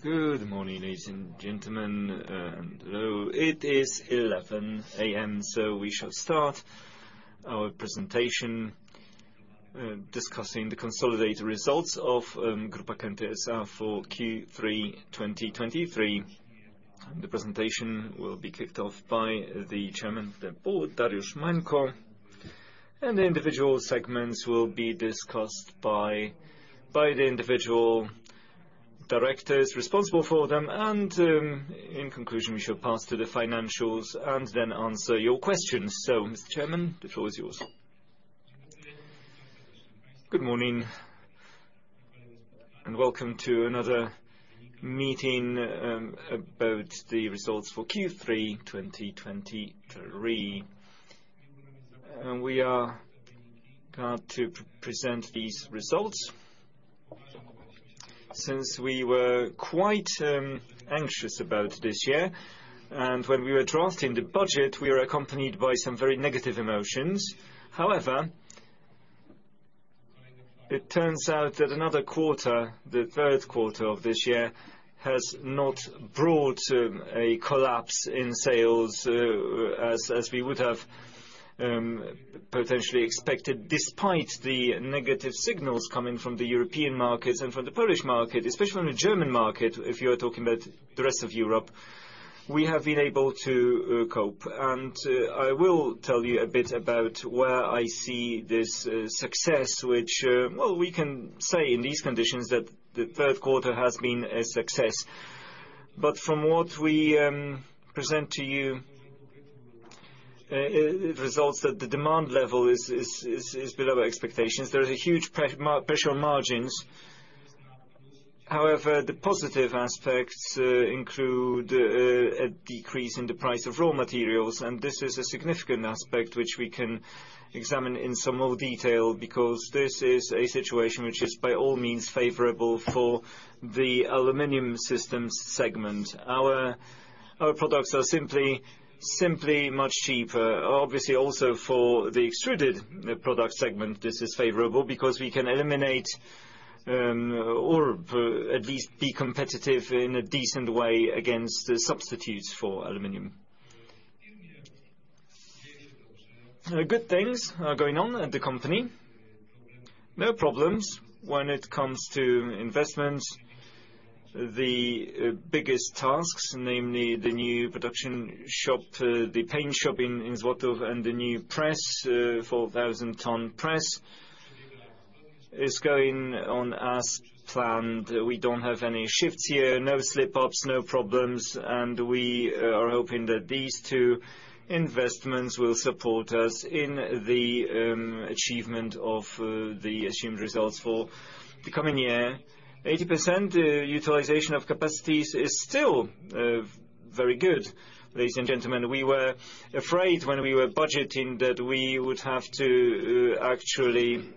Good morning, ladies and gentlemen, and hello. It is 11:00 A.M., so we shall start our presentation discussing the consolidated results of Grupa Kęty SA for Q3 2023. The presentation will be kicked off by the Chairman of the Board, Dariusz Mańko, and the individual segments will be discussed by the individual directors responsible for them. In conclusion, we shall pass to the financials and then answer your questions. Mr. Chairman, the floor is yours. Good morning, and welcome to another meeting about the results for Q3 2023. We are glad to present these results. Since we were quite anxious about this year, and when we were drafting the budget, we were accompanied by some very negative emotions. However, it turns out that another quarter, the third quarter of this year, has not brought a collapse in sales, as we would have potentially expected, despite the negative signals coming from the European markets and from the Polish market. Especially from the German market, if you are talking about the rest of Europe, we have been able to cope. And I will tell you a bit about where I see this success, which, well, we can say in these conditions that the third quarter has been a success. But from what we present to you, results at the demand level is below expectations. There is a huge pressure on margins. However, the positive aspects include a decrease in the price of raw materials, and this is a significant aspect which we can examine in some more detail, because this is a situation which is, by all means, favorable for the aluminum systems segment. Our products are simply much cheaper. Obviously, also for the Extruded Products segment, this is favorable because we can eliminate or at least be competitive in a decent way against the substitutes for aluminum. Good things are going on at the company. No problems when it comes to investments. The biggest tasks, namely the new production shop, the paint shop in Złotów and the new press, 4,000-ton press, is going on as planned. We don't have any shifts here, no slip-ups, no problems, and we are hoping that these two investments will support us in the achievement of the assumed results for the coming year. 80% utilization of capacities is still very good, ladies and gentlemen. We were afraid when we were budgeting that we would have to actually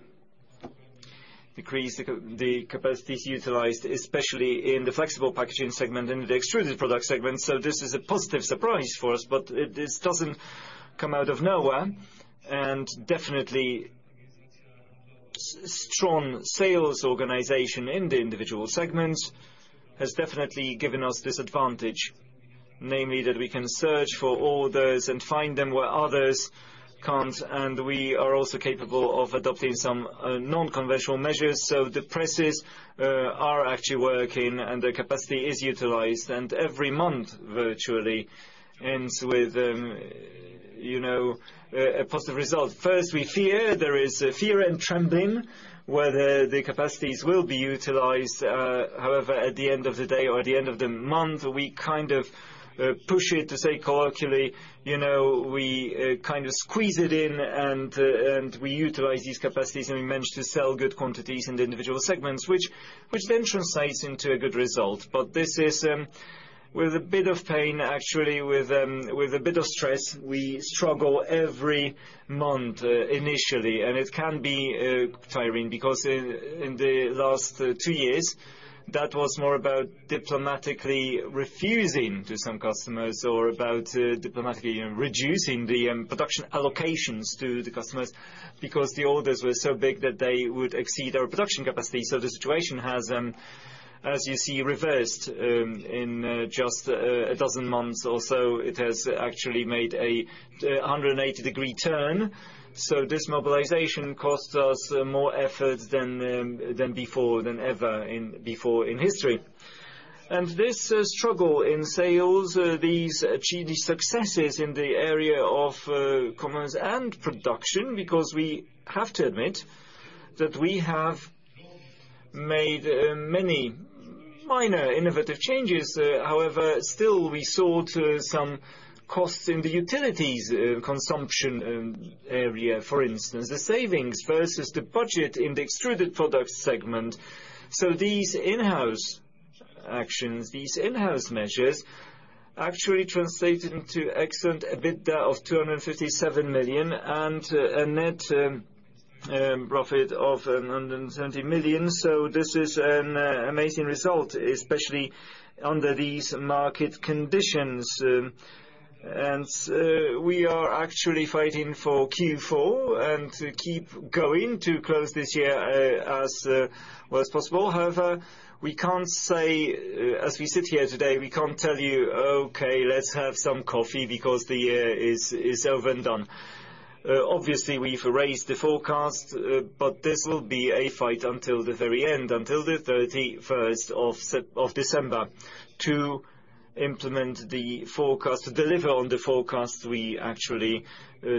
decrease the capacities utilized, especially in the Flexible Packaging segment and the Extruded Products segment. So this is a positive surprise for us, but it, this doesn't come out of nowhere. And definitely, strong sales organization in the individual segments has definitely given us this advantage, namely, that we can search for orders and find them where others can't. We are also capable of adopting some non-conventional measures. So the presses are actually working and the capacity is utilized, and every month, virtually, ends with you know, a positive result. First, we fear, there is a fear and trembling whether the capacities will be utilized. However, at the end of the day or the end of the month, we kind of push it, to say colloquially. You know, we kind of squeeze it in and and we utilize these capacities, and we manage to sell good quantities in the individual segments, which, which then translates into a good result. But this is with a bit of pain, actually, with with a bit of stress. We struggle every month, initially, and it can be tiring, because in the last two years, that was more about diplomatically refusing to some customers or about diplomatically reducing the production allocations to the customers because the orders were so big that they would exceed our production capacity. So the situation has, as you see, reversed in just a dozen months or so. It has actually made a 180-degree turn, so this mobilization costs us more efforts than before, than ever before in history. And this struggle in sales, these achieved successes in the area of commerce and production, because we have to admit that we have made many minor innovative changes. However, still, we saw to some costs in the utilities consumption area, for instance. The savings versus the budget in the Extruded Products segment. So these in-house actions, these in-house measures, actually translated into excellent EBITDA of 257 million and a net profit of 170 million. So this is an amazing result, especially under these market conditions. And we are actually fighting for Q4, and to keep going to close this year, as well as possible. However, we can't say, as we sit here today, we can't tell you, "Okay, let's have some coffee because the year is over and done." Obviously, we've raised the forecast, but this will be a fight until the very end, until the thirty-first of December, to implement the forecast, to deliver on the forecast we actually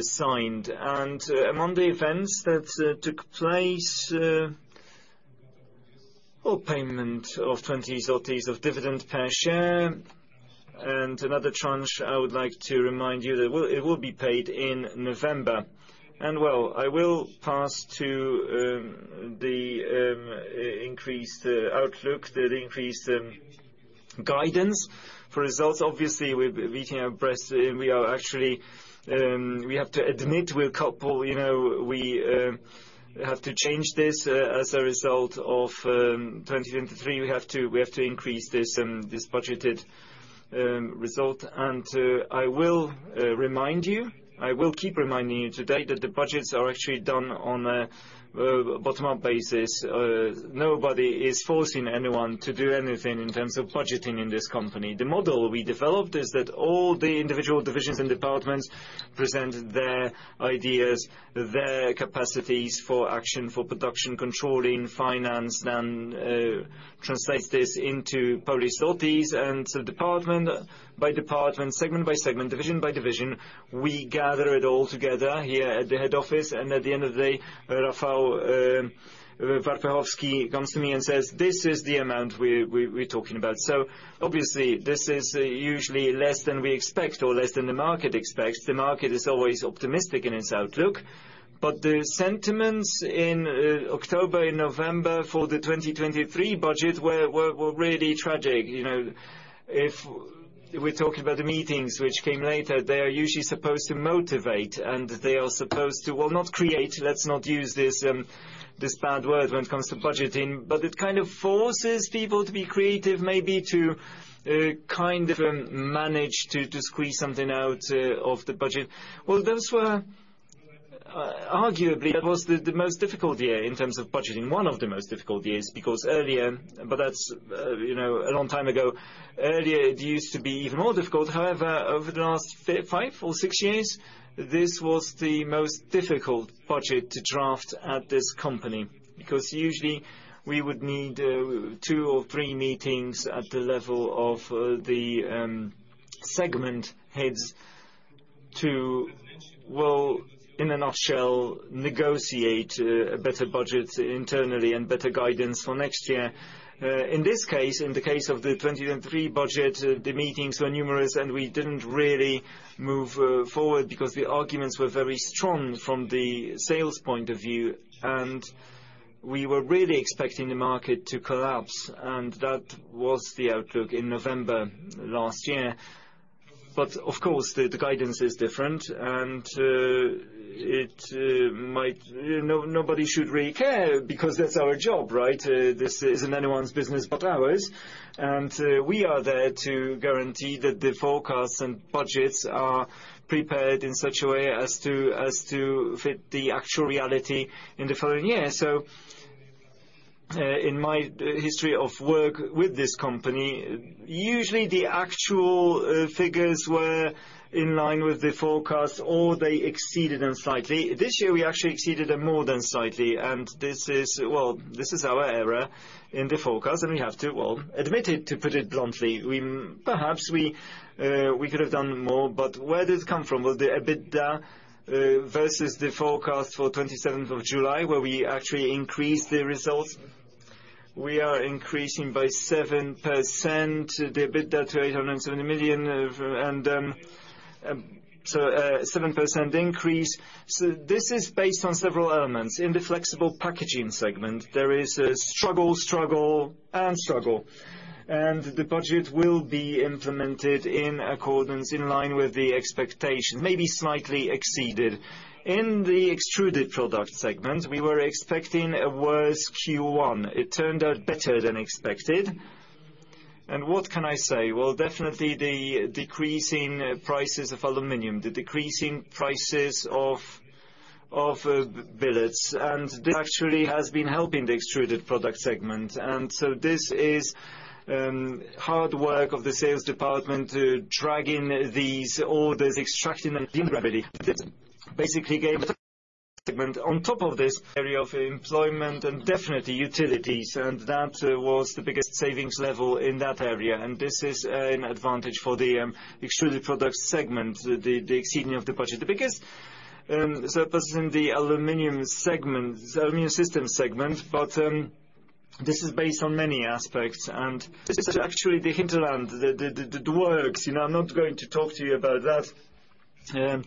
signed. Among the events that took place, well, payment of 20 zlotys of dividend per share. Another tranche, I would like to remind you that it will be paid in November. Well, I will pass to the increased outlook, the increased guidance for results. Obviously, with meeting our press, we are actually, we have to admit we're couple, you know, we have to change this as a result of 2023. We have to, we have to increase this budgeted result. I will remind you, I will keep reminding you today that the budgets are actually done on a bottom-up basis. Nobody is forcing anyone to do anything in terms of budgeting in this company. The model we developed is that all the individual divisions and departments present their ideas, their capacities for action, for production, controlling, finance, then translate this into Polish zlotys. And so department by department, segment by segment, division by division, we gather it all together here at the head office. And at the end of the day, Rafał Warpechowski comes to me and says, "This is the amount we're talking about." So obviously, this is usually less than we expect or less than the market expects. The market is always optimistic in its outlook. But the sentiments in October and November for the 2023 budget were really tragic. You know, if we're talking about the meetings which came later, they are usually supposed to motivate, and they are supposed to, well, not create, let's not use this, this bad word when it comes to budgeting, but it kind of forces people to be creative, maybe to, kind of, manage to squeeze something out, of the budget. Well, those were arguably that was the most difficult year in terms of budgeting, one of the most difficult years. Because earlier, but that's, you know, a long time ago. Earlier, it used to be even more difficult. However, over the last five or six years, this was the most difficult budget to draft at this company. Because usually we would need, two or three meetings at the level of, the, segment heads to, well, in a nutshell, negotiate, a better budget internally and better guidance for next year. In this case, in the case of the 2023 budget, the meetings were numerous, and we didn't really move forward because the arguments were very strong from the sales point of view. And we were really expecting the market to collapse, and that was the outlook in November last year. But of course, the guidance is different, and it might, you know, nobody should really care, because that's our job, right? This isn't anyone's business but ours. And we are there to guarantee that the forecasts and budgets are prepared in such a way as to fit the actual reality in the following year. So, in my history of work with this company, usually the actual figures were in line with the forecast, or they exceeded them slightly. This year, we actually exceeded them more than slightly, and this is, well, this is our error in the forecast, and we have to, well, admit it, to put it bluntly. We perhaps could have done more. But where does it come from? Well, the EBITDA versus the forecast for 27th of July, where we actually increased the results. We are increasing by 7%, the EBITDA to 870 million, and so 7% increase. So this is based on several elements. In the Flexible Packaging segment, there is a struggle, struggle and struggle, and the budget will be implemented in accordance, in line with the expectation, maybe slightly exceeded. In the Extruded Products segment, we were expecting a worse Q1. It turned out better than expected. And what can I say? Well, definitely the decreasing prices of aluminum, the decreasing prices of billets, and this actually has been helping the Extruded Products segment. And so this is hard work of the sales department, dragging these orders, extracting them immediately. Basically, gave the segment on top of this area of employment and definitely utilities, and that was the biggest savings level in that area. And this is an advantage for the Extruded Products segment, the exceeding of the budget. The biggest surplus in the aluminum segment, the aluminum systems segment, but this is based on many aspects, and this is actually the hinterland, the works. You know, I'm not going to talk to you about that.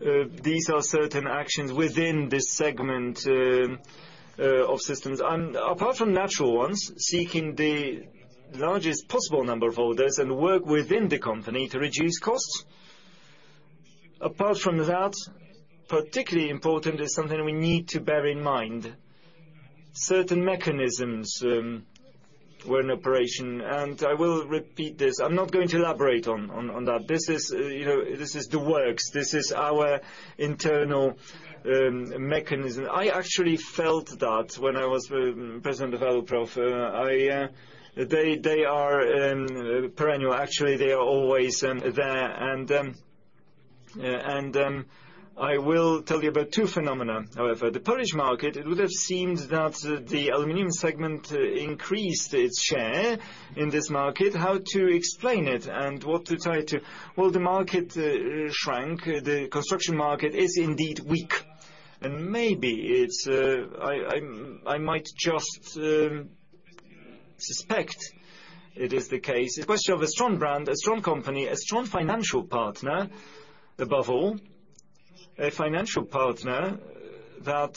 These are certain actions within this segment of systems. Apart from natural ones, seeking the largest possible number of orders and work within the company to reduce costs. Apart from that, particularly important is something we need to bear in mind. Certain mechanisms were in operation, and I will repeat this. I'm not going to elaborate on that. This is, you know, this is the works. This is our internal mechanism. I actually felt that when I was President of Aluprof. They are perennial, actually, they are always there. And I will tell you about two phenomena, however. The Polish market, it would have seemed that the aluminum segment increased its share in this market. How to explain it, and what to try to? Well, the market shrank. The construction market is indeed weak, and maybe it's I might just suspect it is the case. It's a question of a strong brand, a strong company, a strong financial partner. Above all, a financial partner that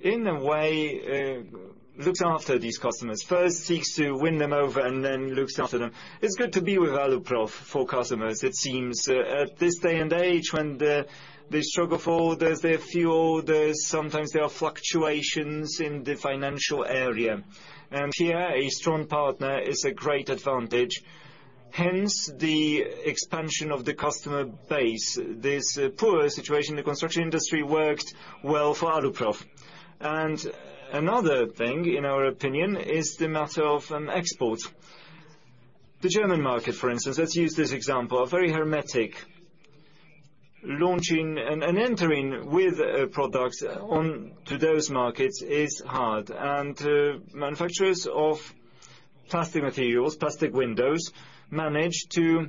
in a way looks after these customers. First seeks to win them over and then looks after them. It's good to be with Aluprof for customers, it seems. At this day and age, when they struggle for orders, they have few orders, sometimes there are fluctuations in the financial area. And here, a strong partner is a great advantage, hence the expansion of the customer base. This poor situation in the construction industry worked well for Aluprof. And another thing, in our opinion, is the matter of export. The German market, for instance, let's use this example, are very hermetic. Launching entering with products onto those markets is hard, and manufacturers of plastic materials, plastic windows, manage to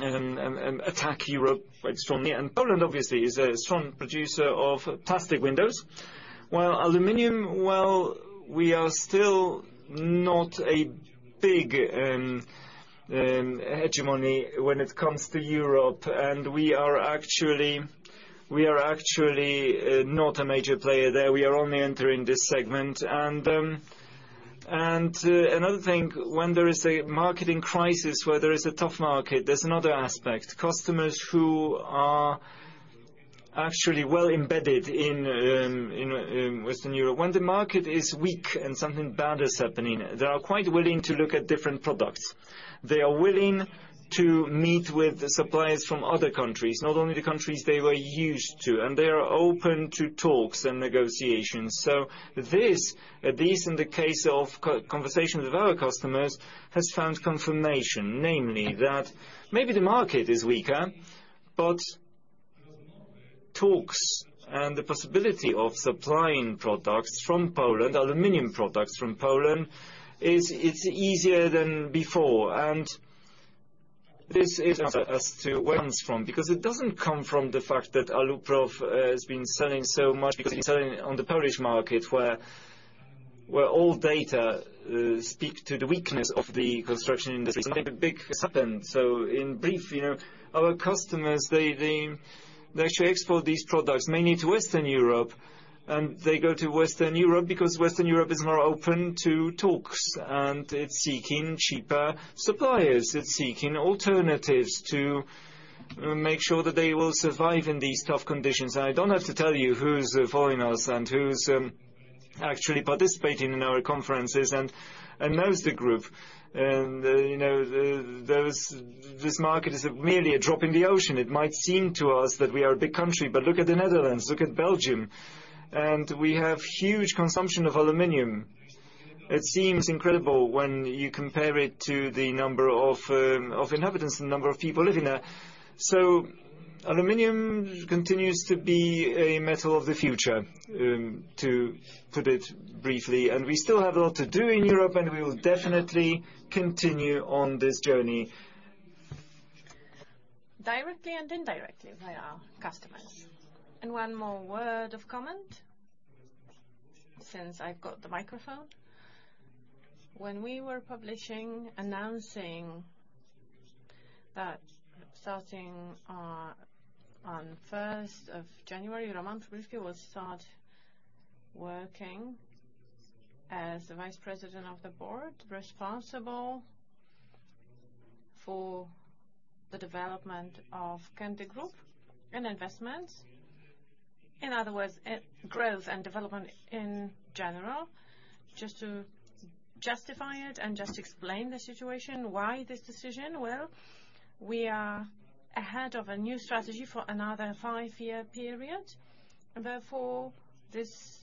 attack Europe quite strongly. Poland, obviously, is a strong producer of plastic windows. While aluminum, well, we are still not a big hegemony when it comes to Europe, and we are actually, we are actually not a major player there. We are only entering this segment. And another thing, when there is a marketing crisis, where there is a tough market, there's another aspect. Customers who are actually well embedded in Western Europe. When the market is weak and something bad is happening, they are quite willing to look at different products. They are willing to meet with suppliers from other countries, not only the countries they were used to, and they are open to talks and negotiations. So this, in the case of conversation with our customers, has found confirmation, namely, that maybe the market is weaker, but talks and the possibility of supplying products from Poland, aluminum products from Poland, it's easier than before. And this is as to where it comes from, because it doesn't come from the fact that Aluprof has been selling so much, because it's selling on the Polish market, where all data speak to the weakness of the construction industry. Nothing big has happened. So in brief, you know, our customers, they actually export these products mainly to Western Europe, and they go to Western Europe because Western Europe is more open to talks and it's seeking cheaper suppliers. It's seeking alternatives to make sure that they will survive in these tough conditions. I don't have to tell you who's following us and who's actually participating in our conferences and knows the group. You know, this market is merely a drop in the ocean. It might seem to us that we are a big country, but look at the Netherlands, look at Belgium, and we have huge consumption of aluminum. It seems incredible when you compare it to the number of inhabitants and number of people living there. Aluminum continues to be a metal of the future, to put it briefly, and we still have a lot to do in Europe, and we will definitely continue on this journey. Directly and indirectly via our customers. One more word of comment, since I've got the microphone. When we were publishing, announcing that starting on first of January, Roman Przybylski will start working as the Vice President of the Board, responsible for the development of Kęty Group and investments, in other words, growth and development in general. Just to justify it and just explain the situation, why this decision? Well, we are ahead of a new strategy for another five-year period, and therefore, this.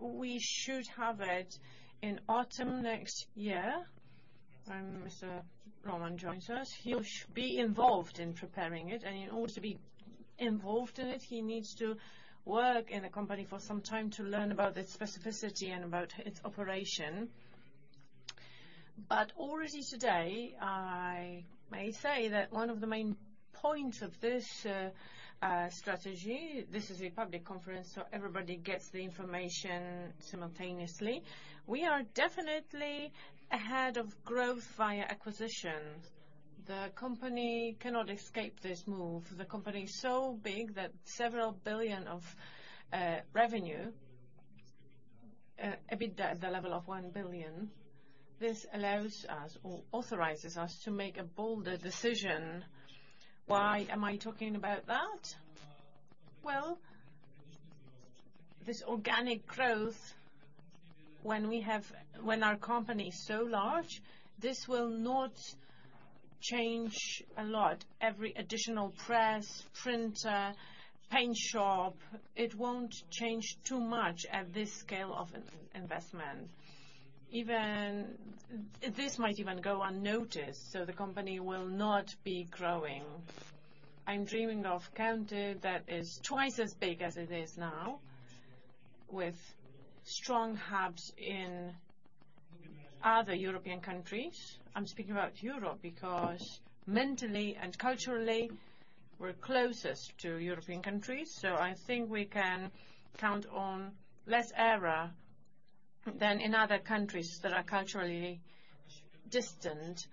We should have it in autumn next year, when Mr. Roman joins us. He will be involved in preparing it, and in order to be involved in it, he needs to work in a company for some time to learn about its specificity and about its operation. But already today, I may say that one of the main points of this strategy, this is a public conference, so everybody gets the information simultaneously. We are definitely ahead of growth via acquisitions. The company cannot escape this move. The company is so big that several billion of revenue, EBITDA at the level of 1 billion. This allows us, or authorizes us, to make a bolder decision. Why am I talking about that? Well, this organic growth, when we have, when our company is so large, this will not change a lot. Every additional press, printer, paint shop, it won't change too much at this scale of investment. Even, this might even go unnoticed, so the company will not be growing. I'm dreaming of Kęty that is twice as big as it is now, with strong hubs in other European countries. I'm speaking about Europe, because mentally and culturally, we're closest to European countries, so I think we can count on less error than in other countries that are culturally distant.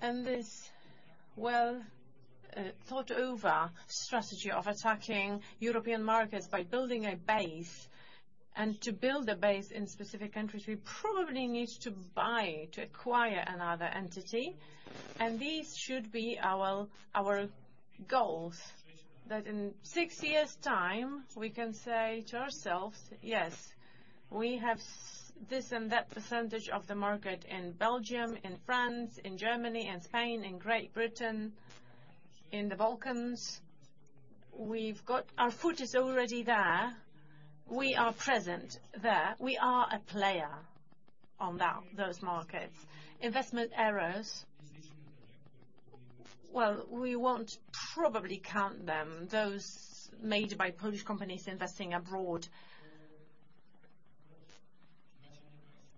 And this well, thought over strategy of attacking European markets by building a base, and to build a base in specific countries, we probably need to buy, to acquire another entity. And these should be our, our goals, that in six years' time, we can say to ourselves, "Yes, we have this and that percentage of the market in Belgium, in France, in Germany, and Spain, in Great Britain, in the Balkans. We've got our foot is already there. We are present there. We are a player on that, those markets." Investment errors, well, we won't probably count them, those made by Polish companies investing abroad.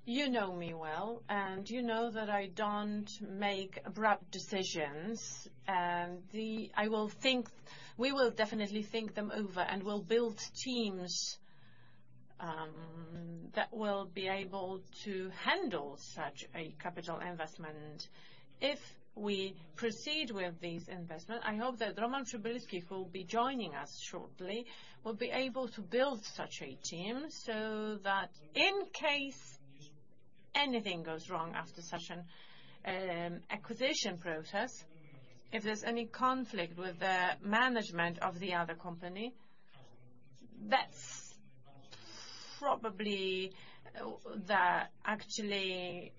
You know me well, and you know that I don't make abrupt decisions. We will definitely think them over, and we'll build teams that will be able to handle such a capital investment. If we proceed with this investment, I hope that Roman Przybylski, who will be joining us shortly, will be able to build such a team, so that in case anything goes wrong after such an acquisition process, if there's any conflict with the management of the other company, that's probably that actually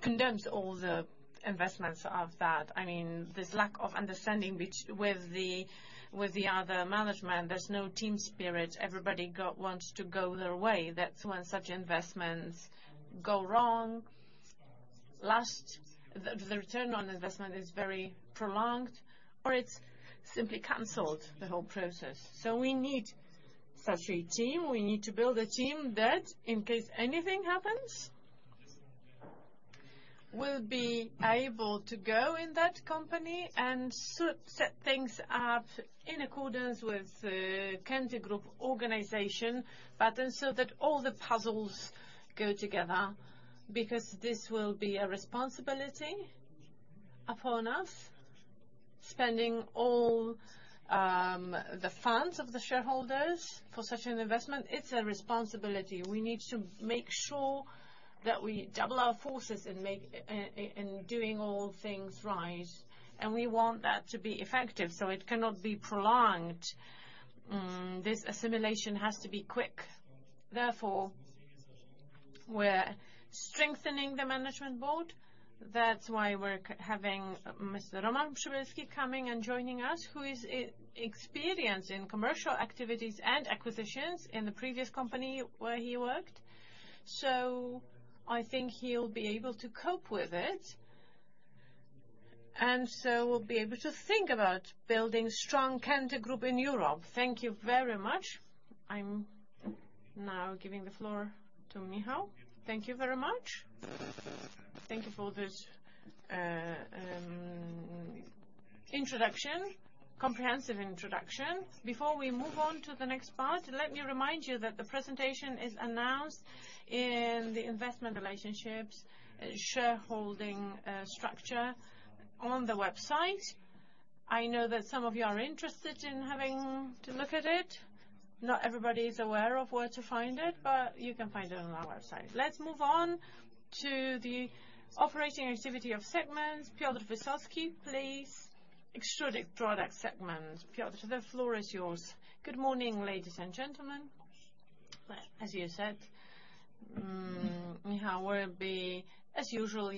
condemns all the investments of that. I mean, this lack of understanding with the other management, there's no team spirit. Everybody wants to go their way. That's when such investments go wrong. Lastly, the return on investment is very prolonged, or it's simply canceled, the whole process. So we need such a team. We need to build a team that, in case anything happens, will be able to go in that company and set things up in accordance with the Kęty Group organization, but then so that all the puzzles go together, because this will be a responsibility upon us, spending all the funds of the shareholders for such an investment. It's a responsibility. We need to make sure that we double our forces in making, in doing all things right, and we want that to be effective, so it cannot be prolonged. This assimilation has to be quick. Therefore, we're strengthening the Management Board. That's why we're having Mr. Roman Przybylski coming and joining us, who is experienced in commercial activities and acquisitions in the previous company where he worked. So I think he'll be able to cope with it, and so we'll be able to think about building strong Kęty Group in Europe. Thank you very much. I'm now giving the floor to Michał. Thank you very much. Thank you for this, introduction, comprehensive introduction. Before we move on to the next part, let me remind you that the presentation is announced in the investor relations, shareholding structure on the website. I know that some of you are interested in having to look at it. Not everybody is aware of where to find it, but you can find it on our website. Let's move on to the operating activity of segments. Piotr Wysocki, please. Extruded Products segment. Piotr, the floor is yours. Good morning, ladies and gentlemen. As you said, Michał, we'll be, as usual,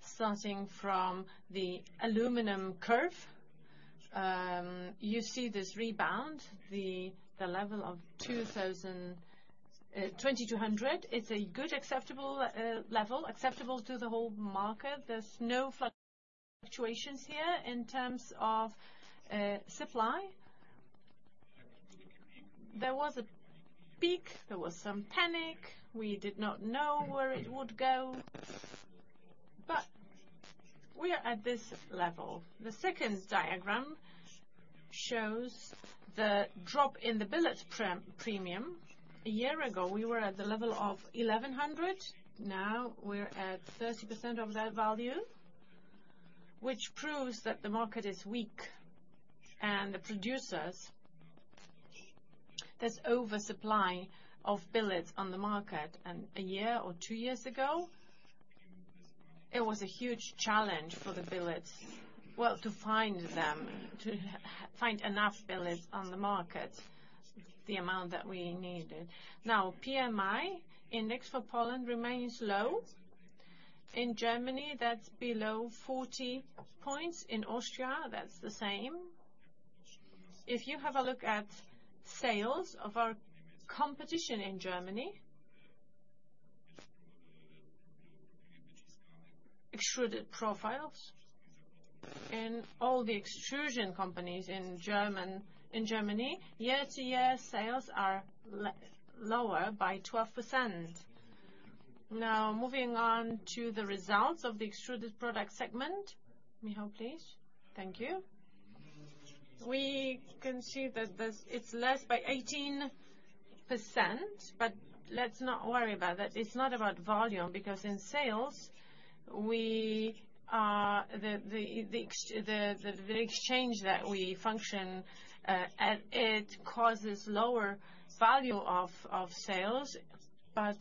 starting from the aluminum curve. You see this rebound, the level of 2,000-2,200. It's a good, acceptable level, acceptable to the whole market. There's no fluctuations here in terms of supply. There was a peak, there was some panic. We did not know where it would go, but we are at this level. The second diagram shows the drop in the billet premium. A year ago, we were at the level of 1,100, now we're at 30% of that value, which proves that the market is weak, and the producers, there's oversupply of billets on the market. And a year or two years ago, it was a huge challenge for the billets, well, to find them, to find enough billets on the market, the amount that we needed. Now, PMI index for Poland remains low. In Germany, that's below 40 points. In Austria, that's the same. If you have a look at sales of our competition in Germany, extruded profiles, in all the extrusion companies in Germany, year-to-year sales are lower by 12%. Now, moving on to the results of the Extruded Products segment. Michał, please. Thank you. We can see that there's, it's less by 18%, but let's not worry about that. It's not about volume, because in sales, we are, the exchange that we function at causes lower value of sales. But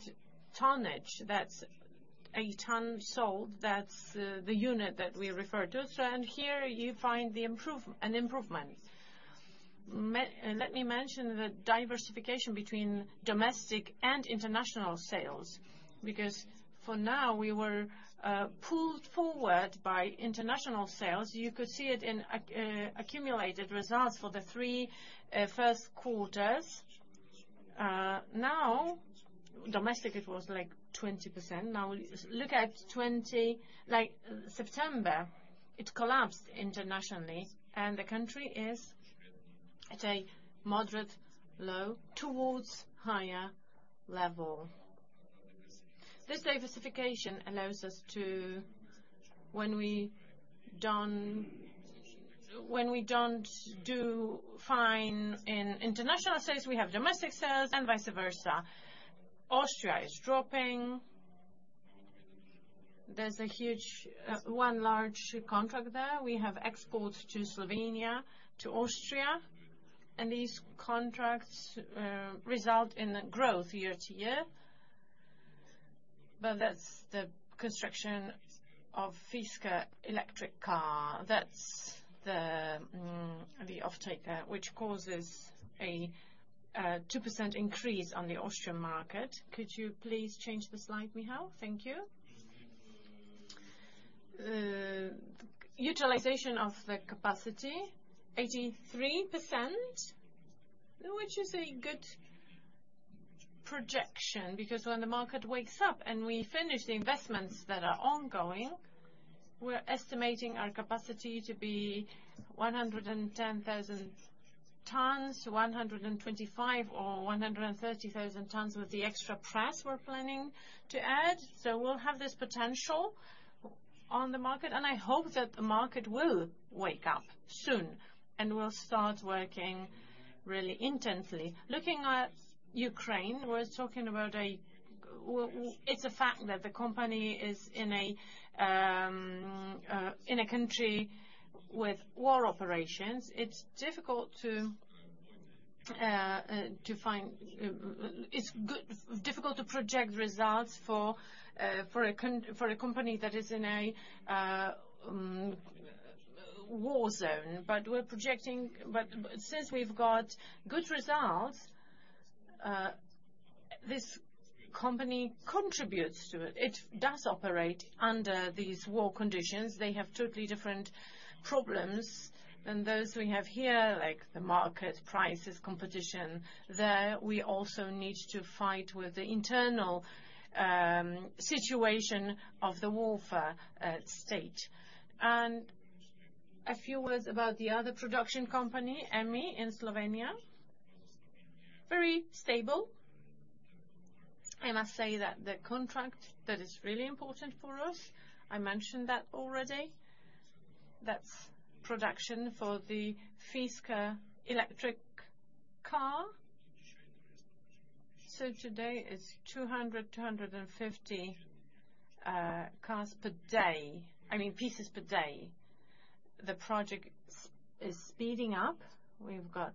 tonnage, that's a ton sold, that's the unit that we refer to. So and here, you find an improvement. Let me mention the diversification between domestic and international sales, because for now, we were pulled forward by international sales. You could see it in accumulated results for the 3 first quarters. Now, domestically, it was, like, 20%. Now, look at 20%. Like, September, it collapsed internationally, and the country is at a moderate low towards higher level. This diversification allows us to, when we don't, when we don't do fine in international sales, we have domestic sales, and vice versa. Austria is dropping. There's a huge, one large contract there. We have exports to Slovenia, to Austria, and these contracts result in a growth year to year, but that's the construction of Fisker electric car. That's the, the off-taker, which causes a, 2% increase on the Austrian market. Could you please change the slide, Michał? Thank you. Utilization of the capacity, 83%, which is a good projection, because when the market wakes up and we finish the investments that are ongoing, we're estimating our capacity to be 110,000 tons, 125,000 or 130,000 tons with the extra press we're planning to add. So we'll have this potential on the market, and I hope that the market will wake up soon, and we'll start working really intensely. Looking at Ukraine, we're talking about a. It's a fact that the company is in a country with war operations. It's difficult to find. It's difficult to project results for a company that is in a war zone. But we're projecting- since we've got good results, this company contributes to it. It does operate under these war conditions. They have totally different problems than those we have here, like the market prices, competition. There, we also need to fight with the internal situation of the warfare state. A few words about the other production company, EMMI, in Slovenia, very stable. I say that the contract, that is really important for us, I mentioned that already. That's production for the Fisker electric car. So today, it's 200-250 cars per day, I mean, pieces per day. The project is speeding up. We've got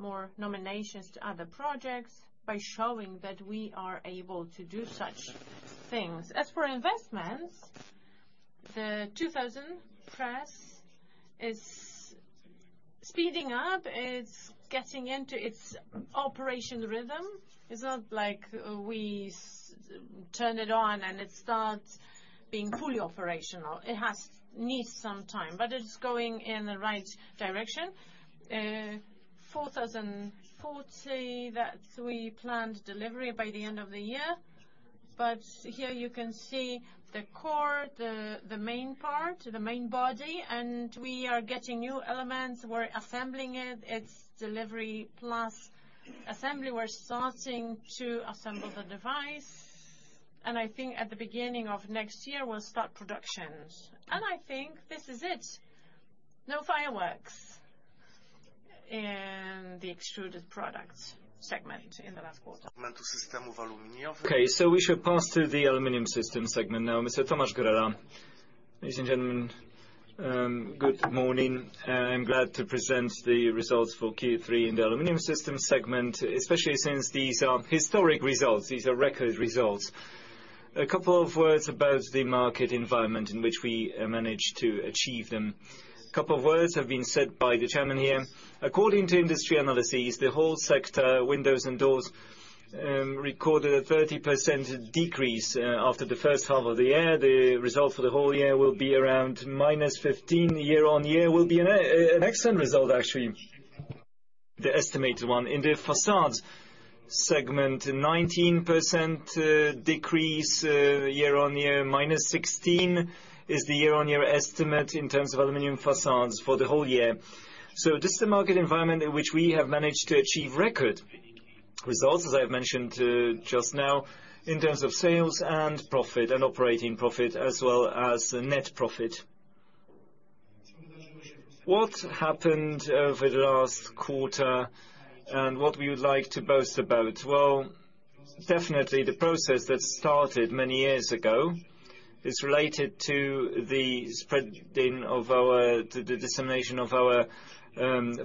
more nominations to other projects by showing that we are able to do such things. As for investments, the 2,000 press is speeding up. It's getting into its operation rhythm. It's not like we turn it on and it starts being fully operational. It has needs some time, but it's going in the right direction. 4,040, that's we planned delivery by the end of the year. But here, you can see the core, the main part, the main body, and we are getting new elements. We're assembling it. It's delivery plus assembly. We're starting to assemble the device, and I think at the beginning of next year, we'll start productions. And I think this is it. No fireworks in the Extruded Products segment in the last quarter. Okay, so we should pass to the aluminum system segment now. Mr. Tomasz Grela. Ladies and gentlemen, good morning. I'm glad to present the results for Q3 in the aluminum systems segment, especially since these are historic results. These are record results. A couple of words about the market environment in which we managed to achieve them. A couple of words have been said by the chairman here. According to industry analyses, the whole sector, windows and doors, recorded a 30% decrease after the first half of the year. The result for the whole year will be around -15% year-on-year, will be an excellent result, actually, the estimated one. In the facades segment, 19% decrease year-on-year. -16% is the year-on-year estimate in terms of aluminum facades for the whole year. This is the market environment in which we have managed to achieve record results, as I've mentioned just now, in terms of sales and profit and operating profit, as well as the net profit. What happened over the last quarter and what we would like to boast about? Well, definitely the process that started many years ago is related to the dissemination of our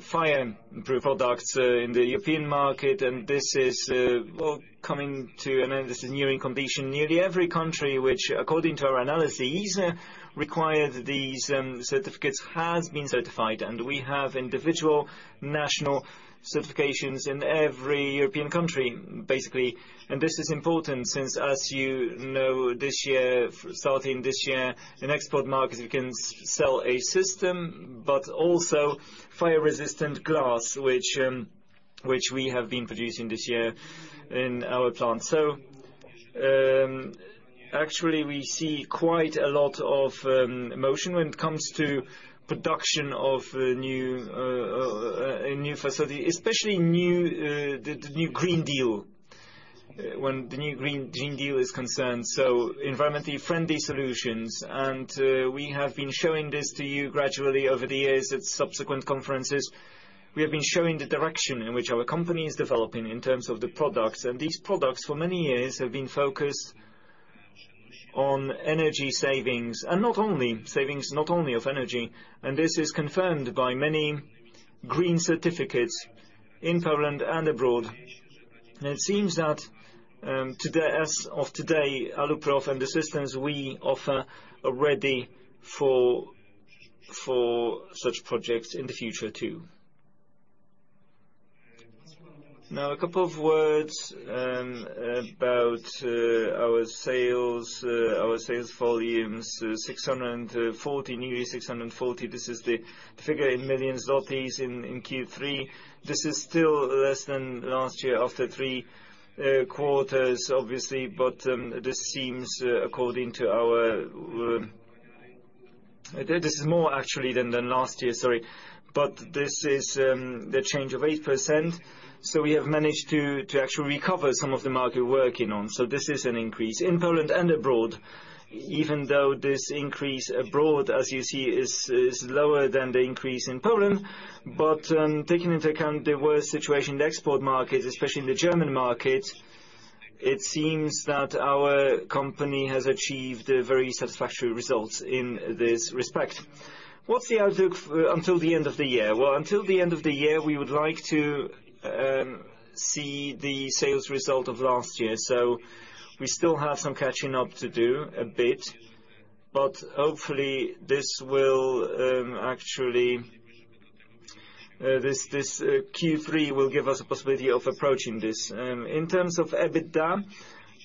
fireproof products in the European market, and this is, well, coming to an end. This is nearing completion. Nearly every country which, according to our analyses, required these certificates, has been certified, and we have individual national certifications in every European country, basically. This is important since, as you know, this year, starting this year, in export markets, you can sell a system but also fire-resistant glass, which we have been producing this year in our plant. So, actually, we see quite a lot of motion when it comes to production of a new facility, especially the new Green Deal, when the new Green Deal is concerned, so environmentally friendly solutions. We have been showing this to you gradually over the years at subsequent conferences. We have been showing the direction in which our company is developing in terms of the products, and these products for many years have been focused on energy savings, and not only savings, not only of energy, and this is confirmed by many green certificates in Poland and abroad. It seems that today, as of today, Aluprof and the systems we offer are ready for such projects in the future, too. Now, a couple of words about our sales. Our sales volumes, 640 million, nearly 640 million. This is the figure in PLN 640 million in Q3. This is still less than last year after three quarters, obviously, but this seems, according to our, this is more, actually, than last year, sorry, but this is the change of 8%. So we have managed to actually recover some of the market we're working on. So this is an increase in Poland and abroad, even though this increase abroad, as you see, is lower than the increase in Poland. But, taking into account the worse situation in the export market, especially in the German market, it seems that our company has achieved a very satisfactory result in this respect. What's the outlook until the end of the year? Well, until the end of the year, we would like to see the sales result of last year, so we still have some catching up to do a bit, but hopefully this will actually Q3 will give us a possibility of approaching this. In terms of EBITDA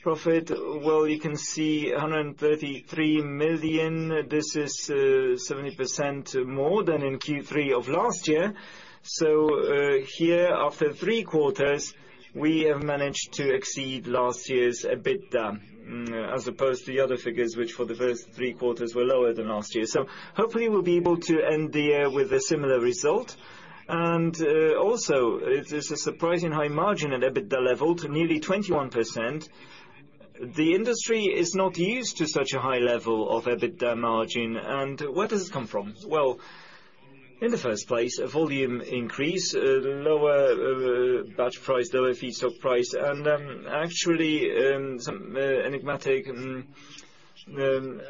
profit, well, you can see 133 million. This is 70% more than in Q3 of last year. So, here, after three quarters, we have managed to exceed last year's EBITDA, as opposed to the other figures, which for the first three quarters were lower than last year. So hopefully, we'll be able to end the year with a similar result. Also, it is a surprisingly high margin at EBITDA level, to nearly 21%. The industry is not used to such a high level of EBITDA margin. Where does this come from? Well, in the first place, a volume increase, the lower batch price, lower stock price, and actually some enigmatic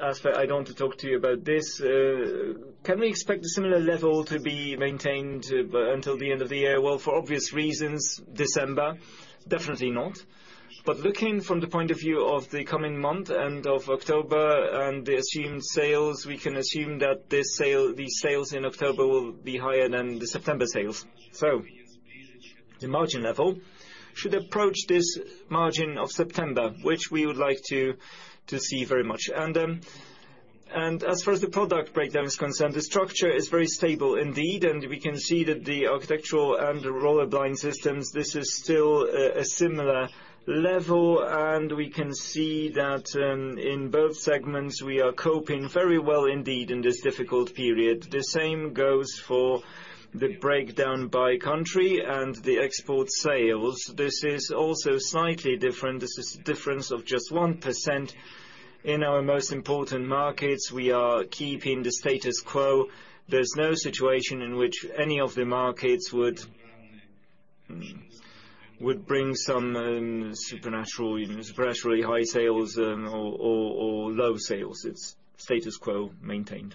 aspect. I don't want to talk to you about this. Can we expect a similar level to be maintained until the end of the year? Well, for obvious reasons, December definitely not. But looking from the point of view of the coming month and of October and the assumed sales, we can assume that the sale, the sales in October will be higher than the September sales. So the margin level should approach this margin of September, which we would like to see very much. As far as the product breakdown is concerned, the structure is very stable indeed, and we can see that the architectural and roller blind systems, this is still a similar level, and we can see that in both segments, we are coping very well indeed in this difficult period. The same goes for the breakdown by country and the export sales. This is also slightly different. This is a difference of just 1%. In our most important markets, we are keeping the status quo. There's no situation in which any of the markets would bring some supernatural, even superaturally high sales, or low sales. It's status quo maintained.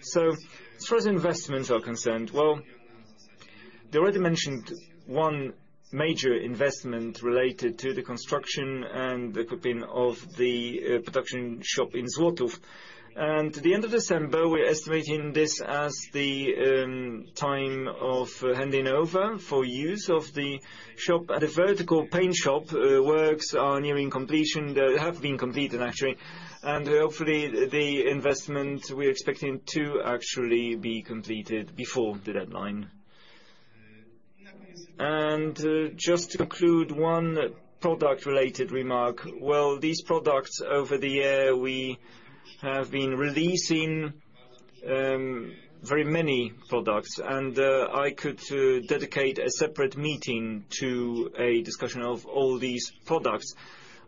So as far as investments are concerned, well, they already mentioned one major investment related to the construction and the equipping of the production shop in Złotów. And the end of December, we're estimating this as the time of handing over for use of the shop. At the vertical paint shop, works are nearing completion. They have been completed, actually, and hopefully the investment we're expecting to actually be completed before the deadline. And just to conclude, one product-related remark. Well, these products, over the year, we have been releasing very many products, and I could dedicate a separate meeting to a discussion of all these products.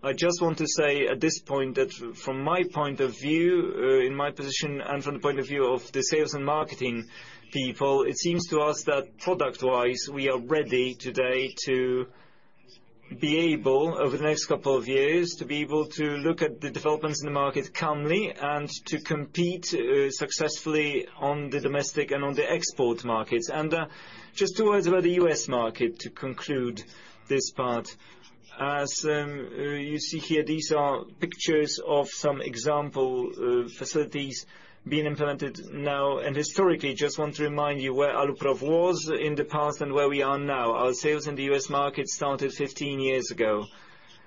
I just want to say at this point that from my point of view, in my position and from the point of view of the sales and marketing people, it seems to us that product-wise, we are ready today to be able, over the next couple of years, to be able to look at the developments in the market calmly and to compete, successfully on the domestic and on the export markets. Just two words about the U.S. market to conclude this part. As you see here, these are pictures of some example facilities being implemented now and historically. Just want to remind you where Aluprof was in the past and where we are now. Our sales in the U.S. market started 15 years ago,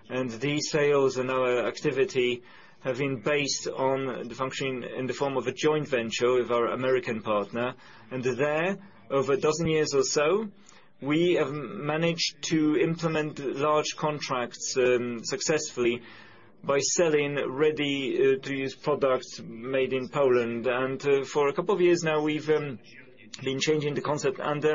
and these sales and our activity have been based on the functioning in the form of a joint venture with our American partner. And there, over a dozen years or so, we have managed to implement large contracts successfully by selling ready-to-use products made in Poland. And for a couple of years now, we've been changing the concept, and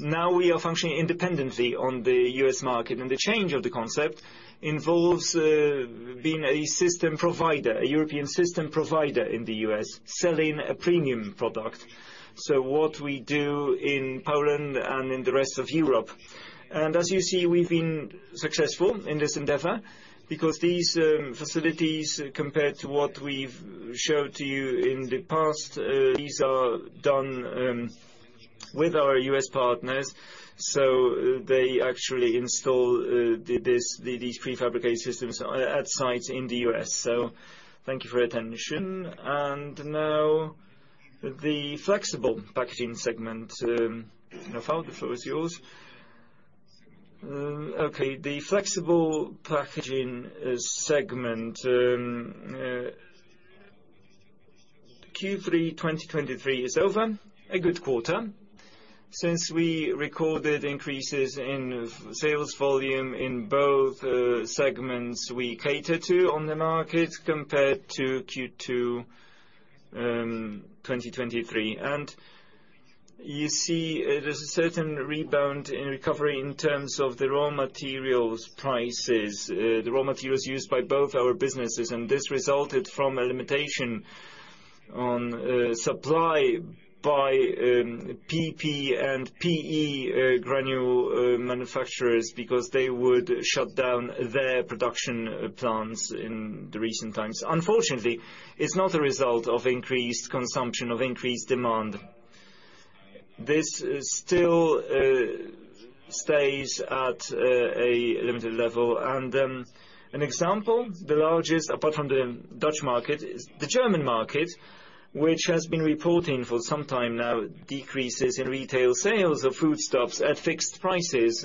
now we are functioning independently on the U.S. market. And the change of the concept involves being a system provider, a European system provider in the U.S., selling a premium product. So what we do in Poland and in the rest of Europe. As you see, we've been successful in this endeavor because these facilities, compared to what we've showed to you in the past, these are done with our U.S. partners, so they actually install these prefabricated systems at sites in the U.S. Thank you for your attention. Now the Flexible Packaging segment. Rafal, the floor is yours. Okay, the Flexible Packaging segment, Q3 2023 is over. A good quarter since we recorded increases in sales volume in both segments we cater to on the market compared to Q2 2023. You see, there's a certain rebound in recovery in terms of the raw materials prices, the raw materials used by both our businesses, and this resulted from a limitation on, supply by PP and PE, granule, manufacturers because they would shut down their production, plants in the recent times. Unfortunately, it's not a result of increased consumption, of increased demand. This still, stays at a limited level. An example, the largest, apart from the Dutch market, is the German market, which has been reporting for some time now, decreases in retail sales of foodstuffs at fixed prices.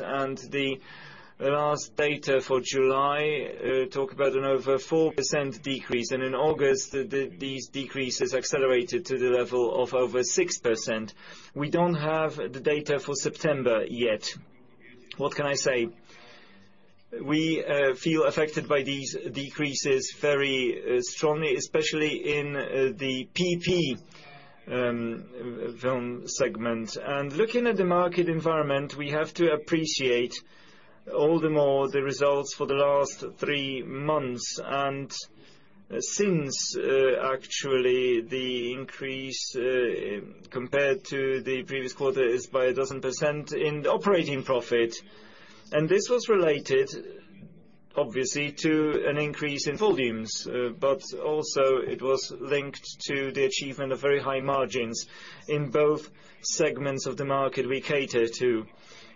The last data for July talk about an over 4% decrease, and in August, these decreases accelerated to the level of over 6%. We don't have the data for September yet. What can I say? We feel affected by these decreases very strongly, especially in the PP film segment. Looking at the market environment, we have to appreciate all the more the results for the last three months. Since actually the increase compared to the previous quarter is by 12% in operating profit, and this was related, obviously, to an increase in volumes, but also it was linked to the achievement of very high margins in both segments of the market we cater to.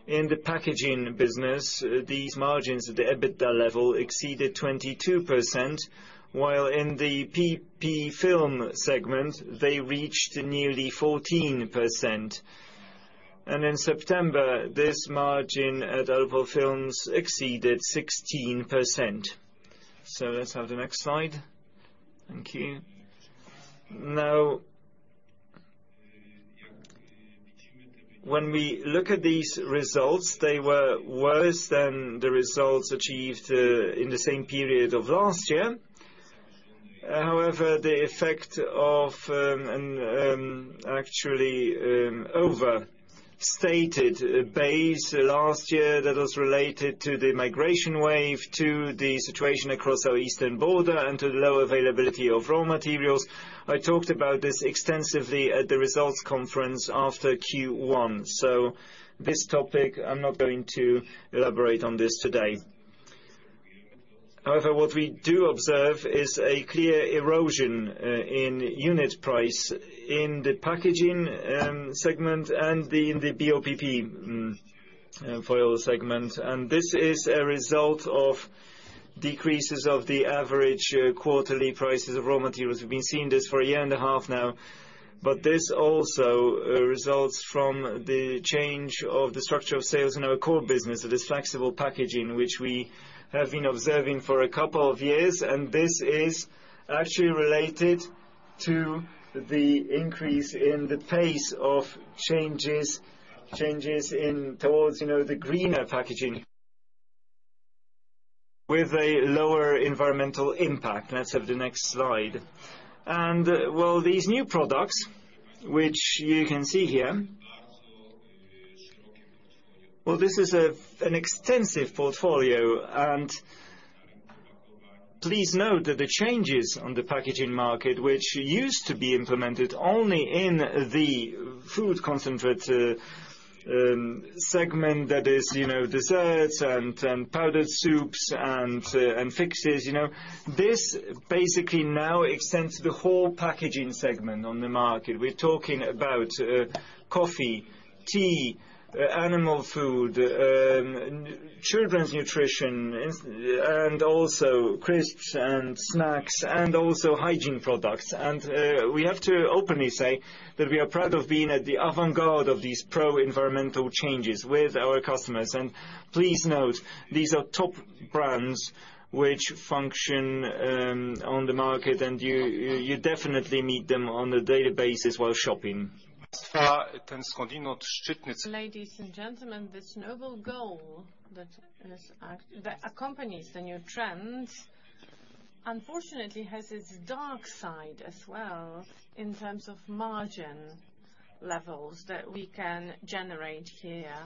In the packaging business, these margins at the EBITDA level exceeded 22%, while in the PP film segment, they reached nearly 14%. In September, this margin at Alupol Films exceeded 16%. Let's have the next slide. Thank you. Now, when we look at these results, they were worse than the results achieved in the same period of last year. However, the effect of an actually overstated base last year that was related to the migration wave, to the situation across our eastern border, and to the low availability of raw materials. I talked about this extensively at the results conference after Q1. So this topic, I'm not going to elaborate on this today. However, what we do observe is a clear erosion in unit price in the packaging segment and in the BOPP foil segment. And this is a result of decreases of the average quarterly prices of raw materials. We've been seeing this for a year and a half now, but this also results from the change of the structure of sales in our core business, that is Flexible Packaging, which we have been observing for a couple of years. This is actually related to the increase in the pace of changes, changes in, towards, you know, the greener packaging with a lower environmental impact. Let's have the next slide. Well, these new products, which you can see here, well, this is a, an extensive portfolio. Please note that the changes on the packaging market, which used to be implemented only in the food concentrate segment, that is, you know, desserts and, and powdered soups and, and fixes, you know. This basically now extends the whole packaging segment on the market. We're talking about coffee, tea, animal food, children's nutrition, and also crisps and snacks, and also hygiene products. We have to openly say that we are proud of being at the avant-garde of these pro-environmental changes with our customers. Please note, these are top brands which function on the market, and you definitely meet them on a daily basis while shopping. Ladies and gentlemen, this noble goal that accompanies the new trends, unfortunately, has its dark side as well in terms of margin levels that we can generate here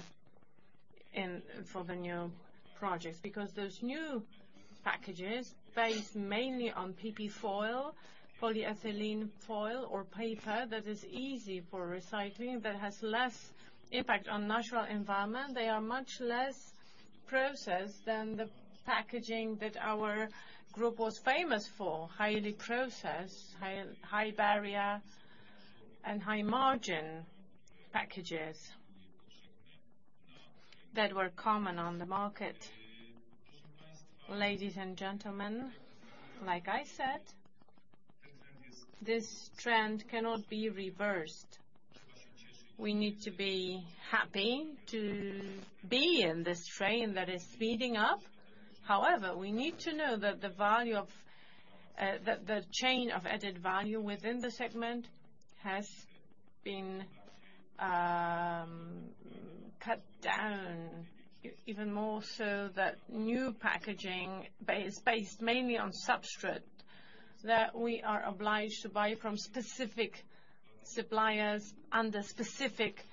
in for the new projects. Because those new packages, based mainly on PP foil, polyethylene foil or paper, that is easy for recycling, that has less impact on natural environment, they are much less processed than the packaging that our group was famous for. Highly processed, high barrier and high-margin packages that were common on the market. Ladies and gentlemen, like I said, this trend cannot be reversed. We need to be happy to be in this train that is speeding up. However, we need to know that the value of the chain of added value within the segment has been cut down even more so that new packaging base, based mainly on substrate, that we are obliged to buy from specific suppliers, under specific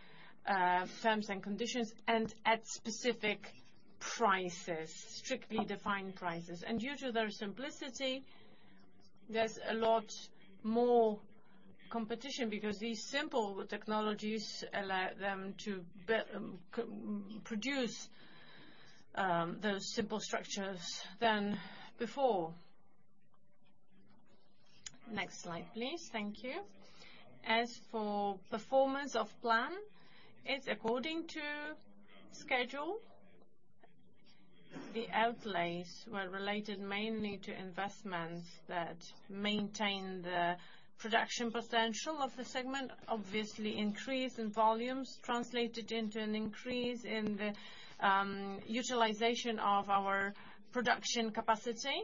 terms and conditions, and at specific prices, strictly defined prices. And due to their simplicity, there's a lot more competition, because these simple technologies allow them to co-produce those simple structures than before. Next slide, please. Thank you. As for performance of plan, it's according to schedule. The outlays were related mainly to investments that maintain the production potential of the segment. Obviously, increase in volumes translated into an increase in the utilization of our production capacity.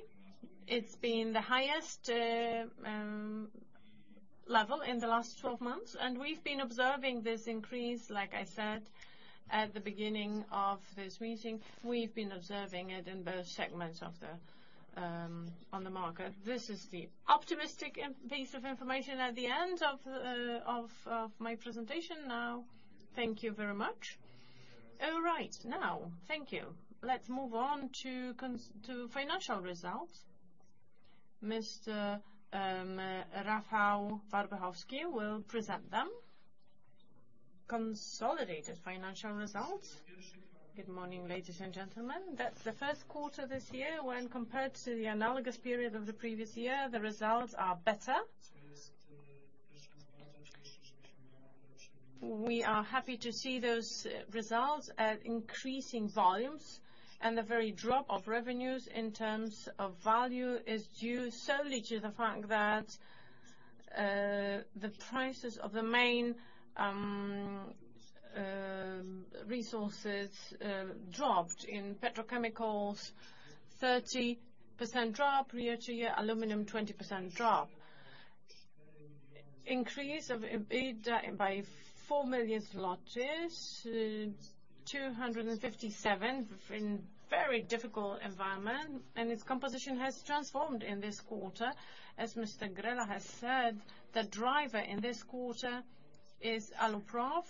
It's been the highest level in the last 12 months, and we've been observing this increase, like I said, at the beginning of this meeting. We've been observing it in the segments of the on the market. This is the optimistic piece of information at the end of my presentation now. Thank you very much. All right. Now, thank you. Let's move on to financial results. Mr. Rafał Warpechowski will present them. Consolidated financial results. Good morning, ladies and gentlemen. That's the first quarter this year when compared to the analogous period of the previous year, the results are better. We are happy to see those results at increasing volumes, and the very drop of revenues in terms of value is due solely to the fact that the prices of the main resources dropped. In petrochemicals, 30% drop year-over-year, aluminum, 20% drop. Increase of EBITDA by 4 million zlotys, 257 in very difficult environment, and its composition has transformed in this quarter. As Mr. Grela has said, the driver in this quarter is Aluprof,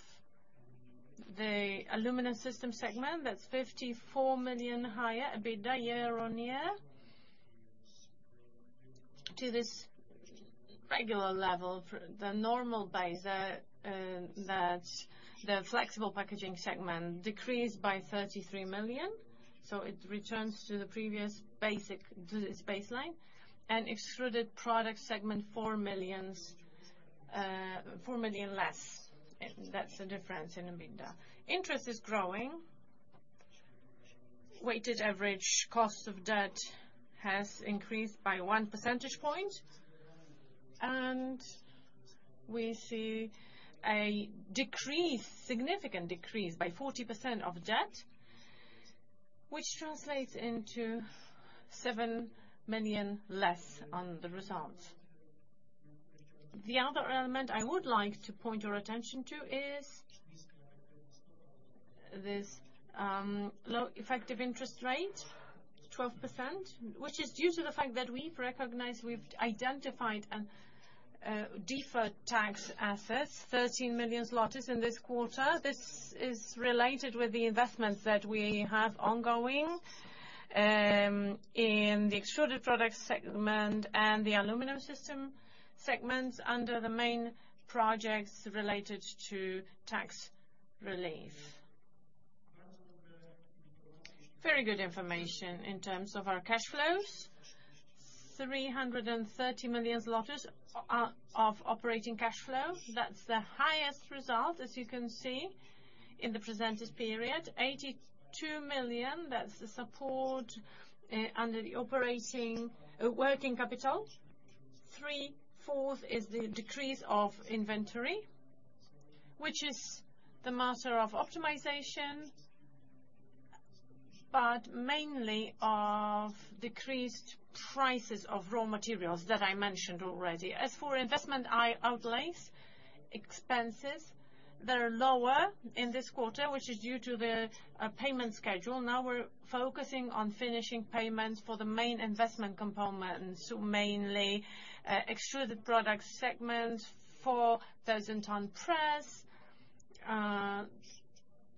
the aluminum system segment, that's 54 million higher EBITDA year-on-year. To this regular level, for the normal base, that the Flexible Packaging segment decreased by 33 million, so it returns to the previous basic, to its baseline, and Extruded Products segment, 4 million less. And that's the difference in EBITDA. Interest is growing. Weighted average cost of debt has increased by 1 percentage point, and we see a decrease, significant decrease by 40% of debt, which translates into 7 million less on the results. The other element I would like to point your attention to is this low effective interest rate, 12%, which is due to the fact that we've recognized, we've identified, deferred tax assets, 13 million zloty in this quarter. This is related with the investments that we have ongoing in the Extruded Products segment and the Aluminum System segments, under the main projects related to tax relief. Very good information in terms of our cash flows. 330 million of operating cash flows, that's the highest result, as you can see, in the presented period. 82 million, that's the support under the operating working capital. Three-fourths is the decrease of inventory, which is the matter of optimization, but mainly of decreased prices of raw materials that I mentioned already. As for investment outlays, expenses, they are lower in this quarter, which is due to the payment schedule. Now we're focusing on finishing payments for the main investment components, mainly Extruded Products segment, 4,000-ton press.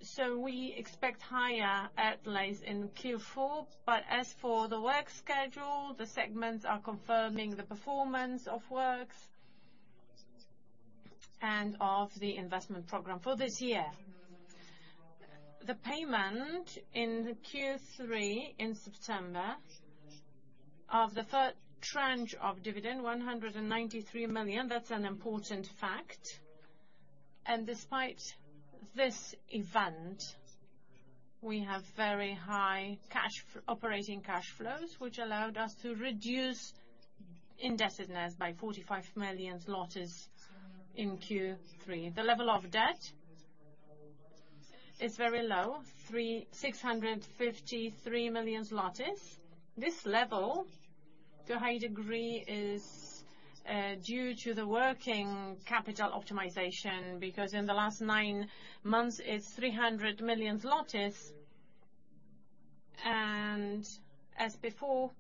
So we expect higher outlays in Q4. But as for the work schedule, the segments are confirming the performance of works, and of the investment program for this year. The payment in the Q3, in September, of the third tranche of dividend, 193 million, that's an important fact. And despite this event, we have very high operating cash flows, which allowed us to reduce indebtedness by 45 million in Q3. The level of debt is very low, 653 million zlotys. This level, to a high degree, is due to the working capital optimization, because in the last nine months, it's 300 million zlotys. And as before,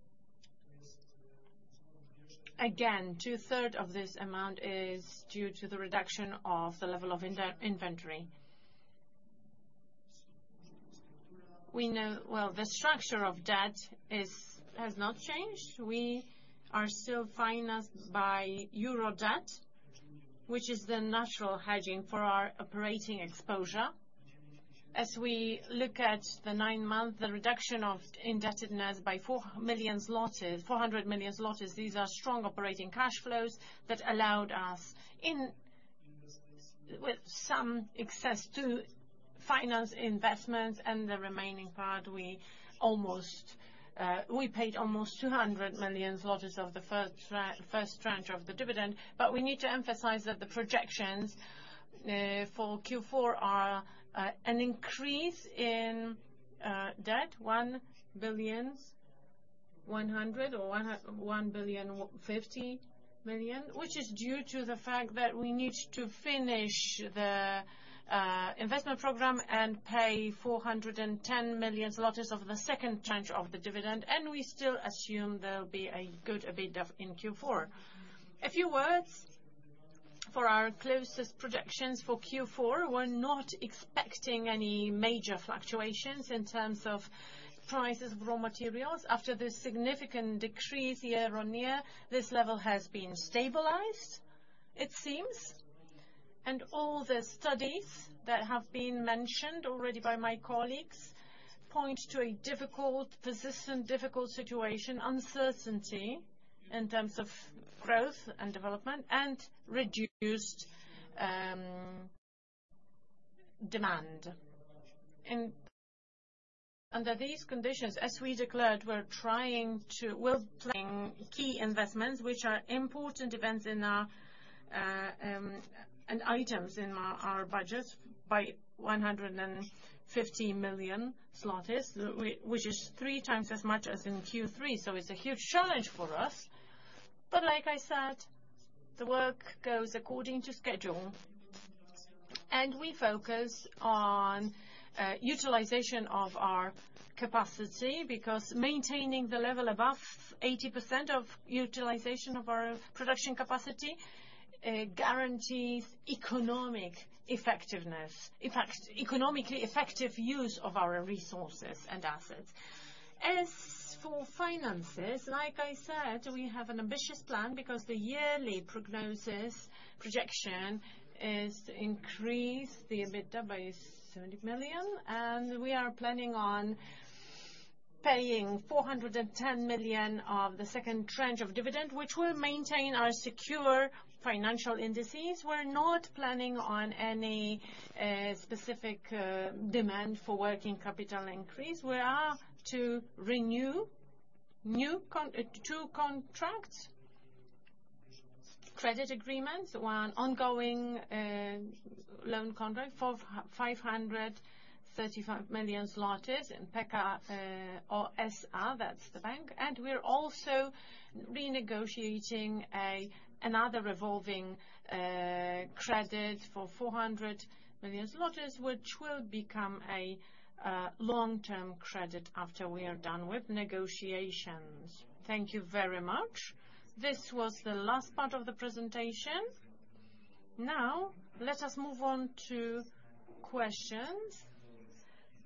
again, two-thirds of this amount is due to the reduction of the level of inventory. Well, the structure of debt is, has not changed. We are still financed by euro debt, which is the natural hedging for our operating exposure. As we look at the nine months, the reduction of indebtedness by 400 million zlotys, these are strong operating cash flows that allowed us in, with some access to finance investments and the remaining part, we almost, we paid almost 200 million zlotys of the first tranche of the dividend. But we need to emphasize that the projections for Q4 are an increase in debt, 1 billion or 150 million, which is due to the fact that we need to finish the investment program and pay 410 million zlotys of the second tranche of the dividend, and we still assume there'll be a good EBITDA in Q4. A few words for our closest projections for Q4. We're not expecting any major fluctuations in terms of prices of raw materials. After this significant decrease year-on-year, this level has been stabilized, it seems. And all the studies that have been mentioned already by my colleagues point to a difficult, persistent, difficult situation, uncertainty in terms of growth and development, and reduced demand. And under these conditions, as we declared, we're trying to, we're planning key investments, which are important events in our and items in our budgets by 150 million zlotys, which is 3x as much as in Q3, so it's a huge challenge for us. But like I said, the work goes according to schedule, and we focus on utilization of our capacity, because maintaining the level above 80% of utilization of our production capacity guarantees economic effectiveness. In fact, economically effective use of our resources and assets. As for finances, like I said, we have an ambitious plan, because the yearly prognosis projection is increase the EBITDA by 70 million, and we are planning on paying 410 million of the second tranche of dividend, which will maintain our secure financial indices. We're not planning on any specific demand for working capital increase. We are to renew two new contracts, credit agreements, one ongoing loan contract for 535 million zlotys in Pekao S.A., that's the bank. We're also renegotiating another revolving credit for 400 million, which will become a long-term credit after we are done with negotiations. Thank you very much. This was the last part of the presentation. Now, let us move on to questions.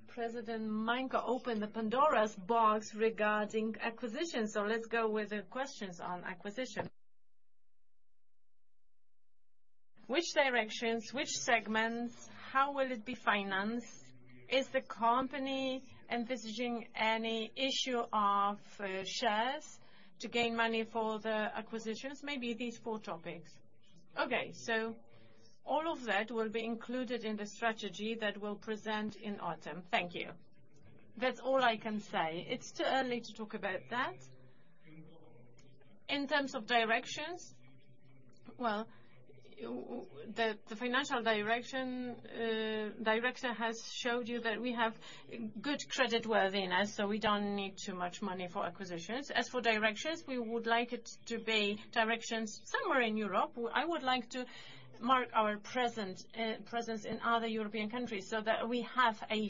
President Mańko opened the Pandora's box regarding acquisition, so let's go with the questions on acquisition. Which directions, which segments, how will it be financed? Is the company envisaging any issue of shares to gain money for the acquisitions? Maybe these four topics. Okay, so all of that will be included in the strategy that we'll present in autumn. Thank you. That's all I can say. It's too early to talk about that. In terms of directions, the financial director has showed you that we have good credit worthiness, so we don't need too much money for acquisitions. As for directions, we would like it to be directions somewhere in Europe. I would like to mark our presence in other European countries, so that we have a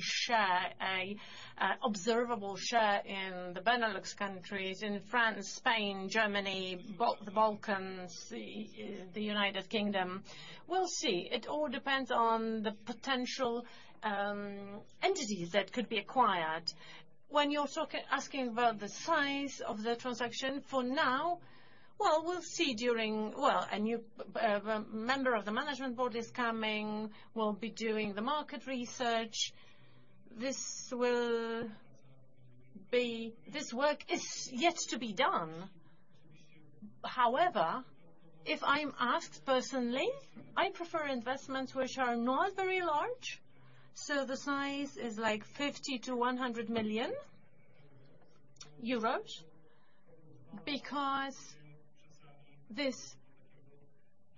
observable share in the Benelux countries, in France, Spain, Germany, the Balkans, the United Kingdom. We'll see. It all depends on the potential entities that could be acquired. When you're asking about the size of the transaction, for now, we'll see during. A new member of the management board is coming, we'll be doing the market research. This work is yet to be done. However, if I'm asked personally, I prefer investments which are not very large, so the size is, like, 50 million-100 million euros, because this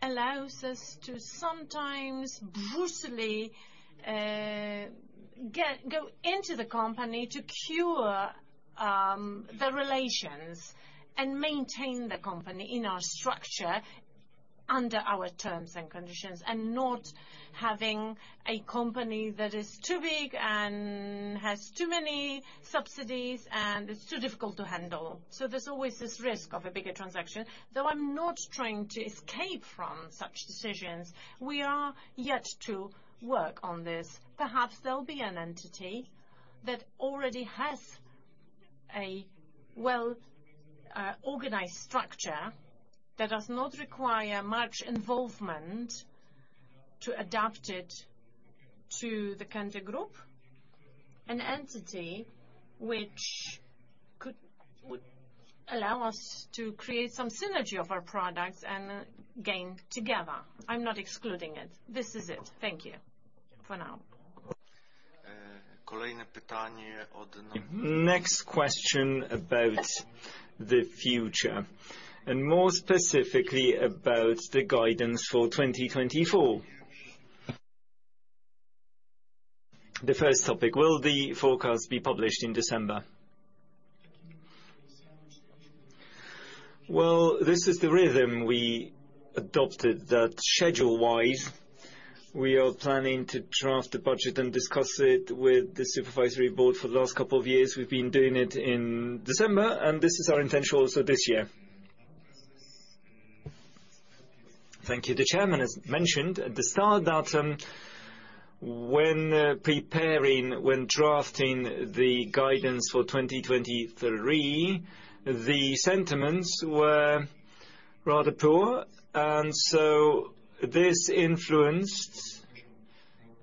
allows us to sometimes brusquely go into the company to cure the relations and maintain the company in our structure under our terms and conditions, and not having a company that is too big and has too many subsidies, and it's too difficult to handle. So there's always this risk of a bigger transaction, though I'm not trying to escape from such decisions. We are yet to work on this. Perhaps there'll be an entity that already has a well organized structure that does not require much involvement to adapt it to the Kęty Group. An entity which could would allow us to create some synergy of our products and gain together. I'm not excluding it. This is it. Thank you, for now. Next question about the future, and more specifically, about the guidance for 2024. The first topic, will the forecast be published in December? Well, this is the rhythm we adopted, that schedule-wise, we are planning to draft the budget and discuss it with the supervisory board. For the last couple of years, we've been doing it in December, and this is our intention also this year. Thank you. The chairman has mentioned at the start that, when preparing, when drafting the guidance for 2023, the sentiments were rather poor, and so this influenced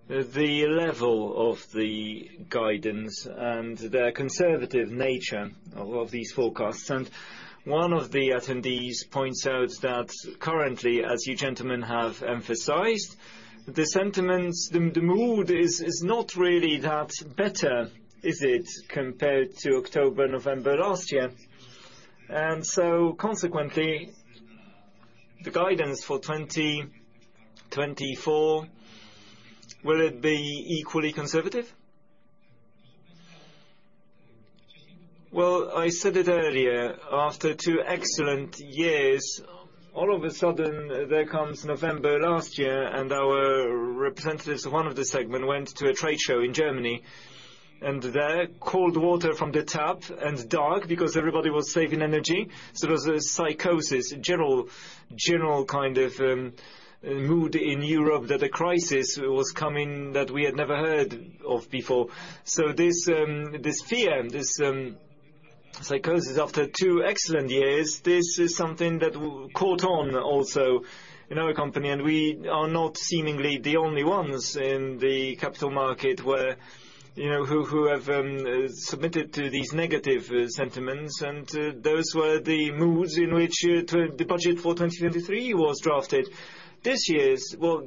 the level of the guidance and the conservative nature of these forecasts. One of the attendees points out that currently, as you gentlemen have emphasized, the sentiments, the mood is not really that better, is it, compared to October, November last year? And so consequently, the guidance for 2024, will it be equally conservative? Well, I said it earlier, after two excellent years, all of a sudden, there comes November last year, and our representatives of one of the segment went to a trade show in Germany, and there, cold water from the tap and dark because everybody was saving energy. So there was a psychosis, a general, general kind of, mood in Europe that a crisis was coming that we had never heard of before. So this, this fear, this, psychosis, after two excellent years, this is something that caught on also in our company, and we are not seemingly the only ones in the capital market where, you know, who, who have, submitted to these negative sentiments. And those were the moods in which, the budget for 2023 was drafted. This year's, well,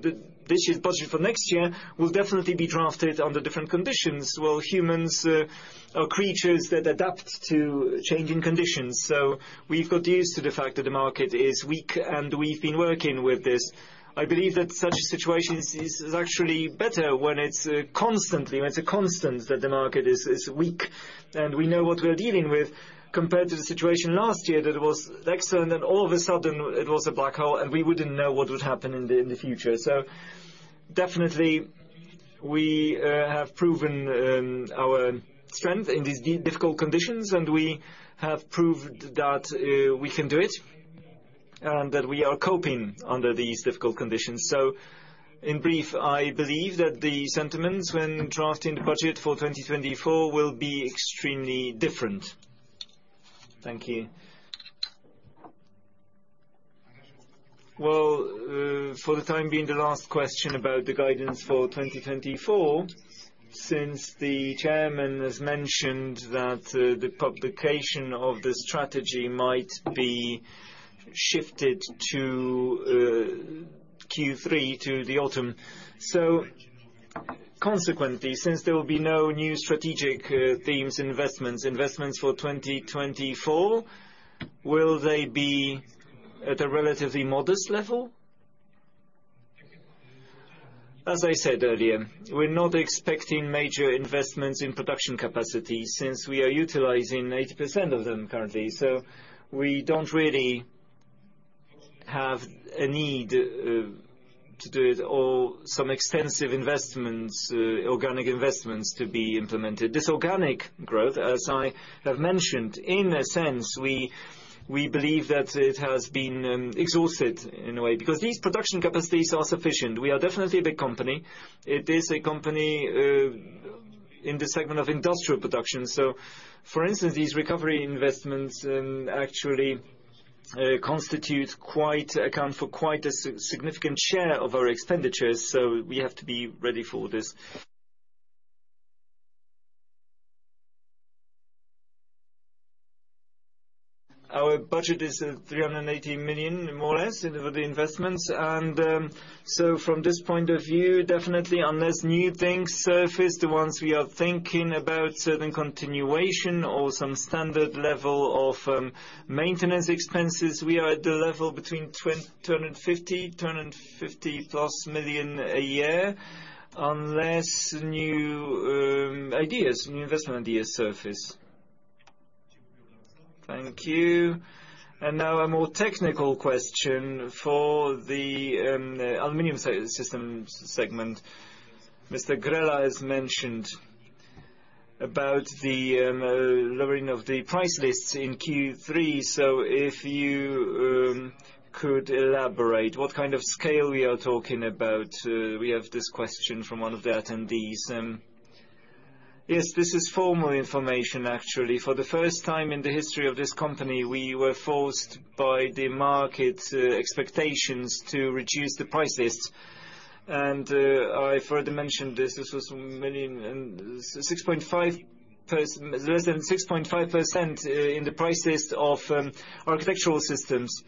this year's budget for next year will definitely be drafted under different conditions. Well, humans are creatures that adapt to changing conditions, so we've got used to the fact that the market is weak, and we've been working with this. I believe that such a situation is actually better when it's constantly, when it's a constant, that the market is weak, and we know what we're dealing with, compared to the situation last year, that it was excellent, and all of a sudden it was a black hole, and we wouldn't know what would happen in the future. So definitely we have proven our strength in these difficult conditions, and we have proved that we can do it, and that we are coping under these difficult conditions. So in brief, I believe that the sentiments when drafting the budget for 2024 will be extremely different. Thank you. Well, for the time being, the last question about the guidance for 2024, since the chairman has mentioned that, the publication of the strategy might be shifted to Q3 to the autumn. So consequently, since there will be no new strategic themes, investments, investments for 2024, will they be at a relatively modest level? As I said earlier, we're not expecting major investments in production capacity since we are utilizing 80% of them currently. So we don't really have a need to do it, or some extensive investments, organic investments to be implemented. This organic growth, as I have mentioned, in a sense, we, we believe that it has been exhausted in a way, because these production capacities are sufficient. We are definitely a big company. It is a company in the segment of industrial production. So for instance, these recovery investments actually constitute quite, account for quite a significant share of our expenditures, so we have to be ready for this. Our budget is 380 million, more or less, for the investments. And so from this point of view, definitely on this new things surface, the ones we are thinking about, certain continuation or some standard level of maintenance expenses, we are at the level between 250, 250+ million a year. Unless new ideas, new investment ideas surface. Thank you. And now a more technical question for the aluminum systems segment. Mr. Grela has mentioned about the lowering of the price lists in Q3. So if you could elaborate what kind of scale we are talking about? We have this question from one of the attendees. Yes, this is formal information actually. For the first time in the history of this company, we were forced by the market expectations to reduce the price lists. And I further mentioned this, this was less than 6.5%, less than 6.5%, in the price list of architectural systems.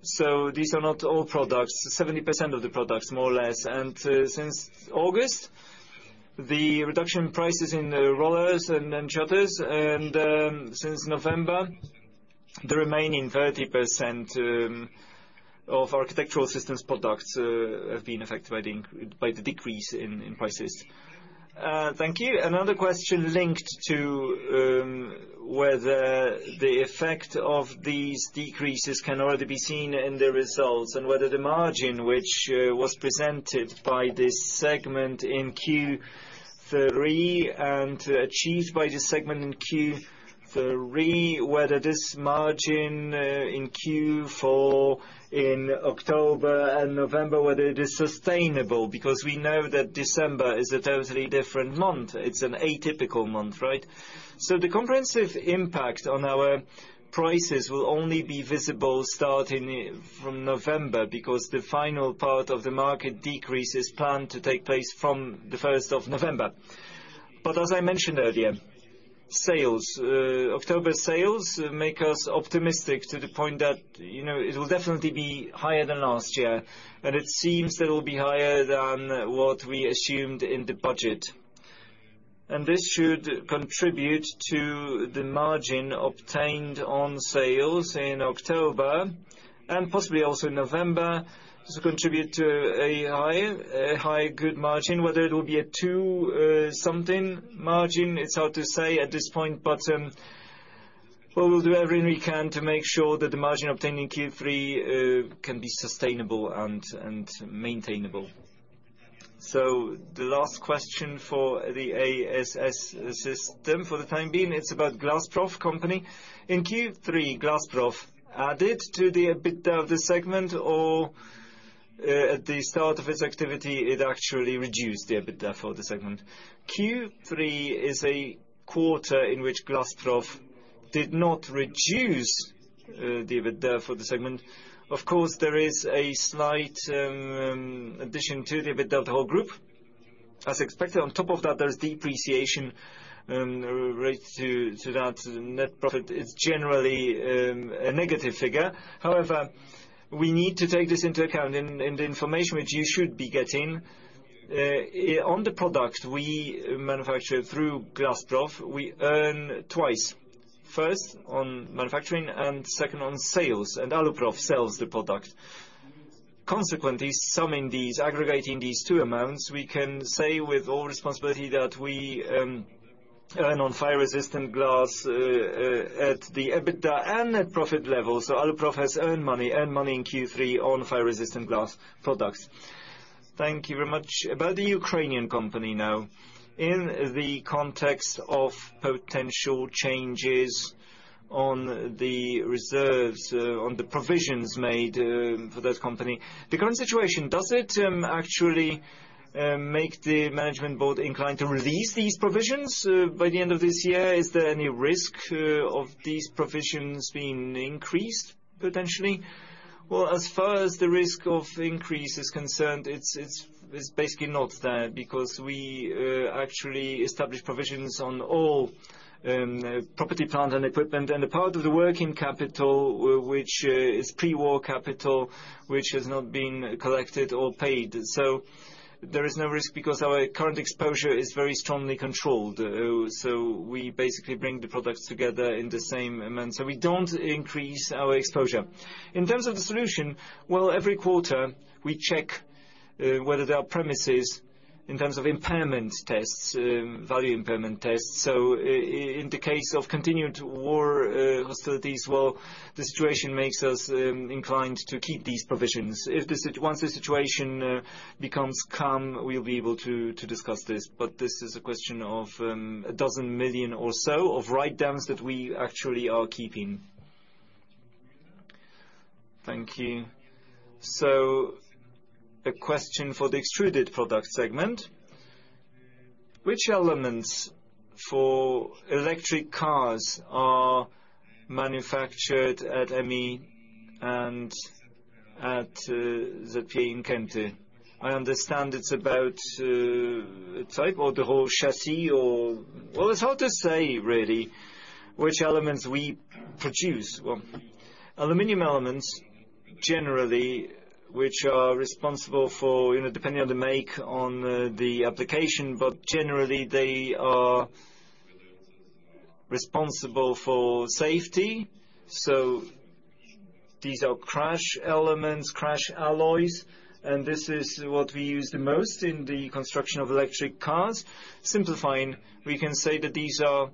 So these are not all products, 70% of the products, more or less. Since August, the reduction prices in the rollers and shutters, and since November, the remaining 30% of architectural systems products have been affected by the decrease in prices. Thank you. Another question linked to whether the effect of these decreases can already be seen in the results, and whether the margin which was presented by this segment in Q3 and achieved by this segment in Q3, whether this margin in Q4, in October and November, whether it is sustainable? Because we know that December is a totally different month. It's an atypical month, right? So the comprehensive impact on our prices will only be visible starting from November, because the final part of the market decrease is planned to take place from the first of November. But as I mentioned earlier, sales, October sales make us optimistic to the point that, you know, it will definitely be higher than last year, and it seems that it will be higher than what we assumed in the budget. And this should contribute to the margin obtained on sales in October and possibly also November, to contribute to a high, a high good margin. Whether it will be a two, something margin, it's hard to say at this point, but, well, we'll do everything we can to make sure that the margin obtained in Q3, can be sustainable and, and maintainable. So the last question for the ASS system for the time being, it's about Glassprof company. In Q3, Glassprof added to the EBITDA of the segment, or, at the start of its activity, it actually reduced the EBITDA for the segment? Q3 is a quarter in which Glassprof did not reduce the EBITDA for the segment. Of course, there is a slight addition to the EBITDA of the whole group, as expected. On top of that, there's depreciation rate to that net profit. It's generally a negative figure. However, we need to take this into account in the information which you should be getting. On the products we manufacture through Glassprof, we earn twice: first on manufacturing, and second on sales, and Aluprof sells the product. Consequently, summing these, aggregating these two amounts, we can say with all responsibility that we earn on fire-resistant glass at the EBITDA and net profit level. So Aluprof has earned money, earned money in Q3 on fire-resistant glass products. Thank you very much. About the Ukrainian company now. In the context of potential changes on the reserves, on the provisions made, for that company, the current situation, does it actually make the management board inclined to release these provisions by the end of this year? Is there any risk of these provisions being increased, potentially? Well, as far as the risk of increase is concerned, it's basically not there, because we actually established provisions on all property, plant, and equipment, and a part of the working capital which is pre-war capital, which has not been collected or paid. So there is no risk because our current exposure is very strongly controlled. So we basically bring the products together in the same amount, so we don't increase our exposure. In terms of the solution, well, every quarter we check whether there are premises in terms of impairment tests, value impairment tests. So in the case of continued war, hostilities, well, the situation makes us inclined to keep these provisions. Once the situation becomes calm, we'll be able to discuss this, but this is a question of 12 million or so of write-downs that we actually are keeping. Thank you. So a question for the Extruded Products segment. Which elements for electric cars are manufactured at EMMI and at the Kęty. I understand it's about type or the whole chassis or? Well, it's hard to say really which elements we produce. Well, aluminum elements, generally, which are responsible for, you know, depending on the make, on the application, but generally, they are responsible for safety. So these are crash elements, crash alloys, and this is what we use the most in the construction of electric cars. Simplifying, we can say that these are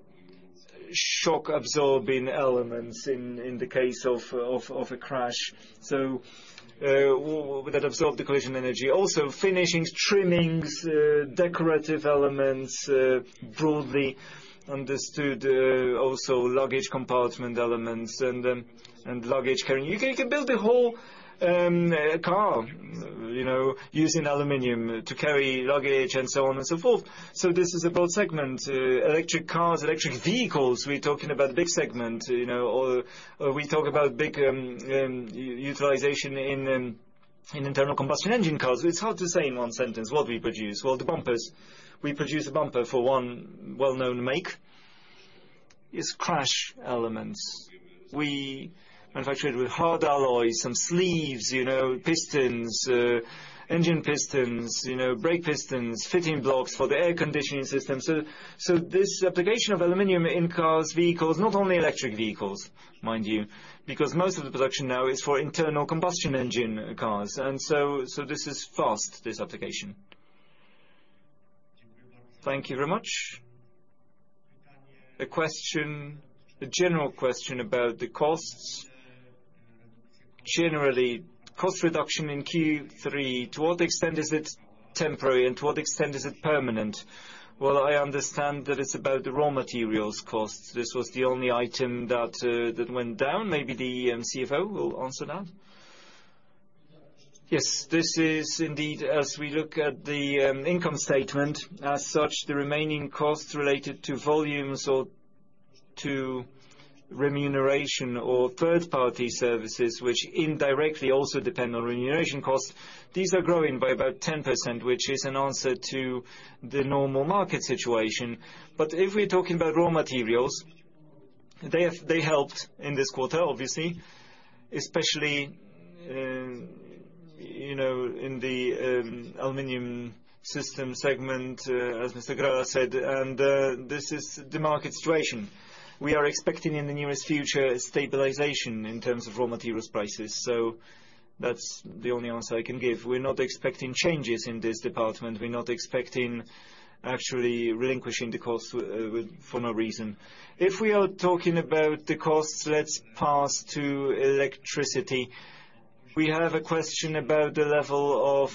shock-absorbing elements in the case of a crash, so that absorb the collision energy. Also, finishings, trimmings, decorative elements, broadly understood, also luggage compartment elements and luggage carrying. You can build a whole car, you know, using aluminum to carry luggage and so on and so forth. So this is about segment electric cars, electric vehicles, we're talking about big segment, you know, or we talk about big utilization in internal combustion engine cars. It's hard to say in one sentence what we produce. Well, the bumpers. We produce a bumper for one well-known make, it's crash elements. We manufacture it with hard alloys, some sleeves, you know, pistons, engine pistons, you know, brake pistons, fitting blocks for the air conditioning system. So, so this application of aluminum in cars, vehicles, not only electric vehicles, mind you, because most of the production now is for internal combustion engine cars, and so, so this is fast, this application. Thank you very much. A question, a general question about the costs. Generally, cost reduction in Q3, to what extent is it temporary, and to what extent is it permanent? Well, I understand that it's about the raw materials cost. This was the only item that, that went down. Maybe the CFO will answer that. Yes, this is indeed, as we look at the income statement, as such, the remaining costs related to volumes or to remuneration or third-party services, which indirectly also depend on remuneration costs, these are growing by about 10%, which is an answer to the normal market situation. But if we're talking about raw materials, they have helped in this quarter, obviously, especially. You know, in the aluminum system segment, as Mr. Grela said, and this is the market situation. We are expecting in the nearest future, stabilization in terms of raw materials prices, so that's the only answer I can give. We're not expecting changes in this department. We're not expecting actually relinquishing the costs with for no reason. If we are talking about the costs, let's pass to electricity. We have a question about the level of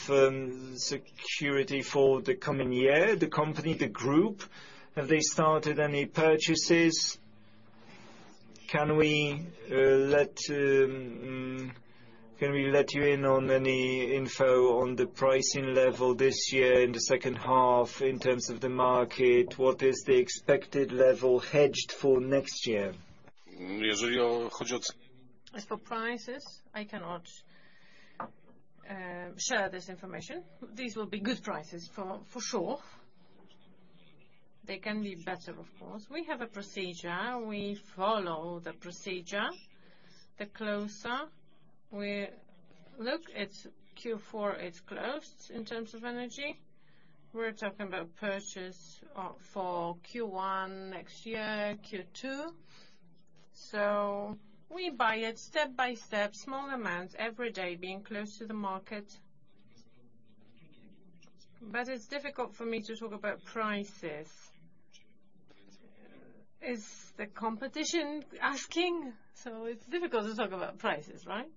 security for the coming year. The company, the group, have they started any purchases? Can we let you in on any info on the pricing level this year in the second half in terms of the market? What is the expected level hedged for next year? As for prices, I cannot share this information. These will be good prices for, for sure. They can be better, of course. We have a procedure, we follow the procedure. The closer we look, it's Q4, it's closed in terms of energy. We're talking about purchase for Q1 next year, Q2. So we buy it step by step, small amounts every day, being close to the market. But it's difficult for me to talk about prices. Is the competition asking? So it's difficult to talk about prices, right?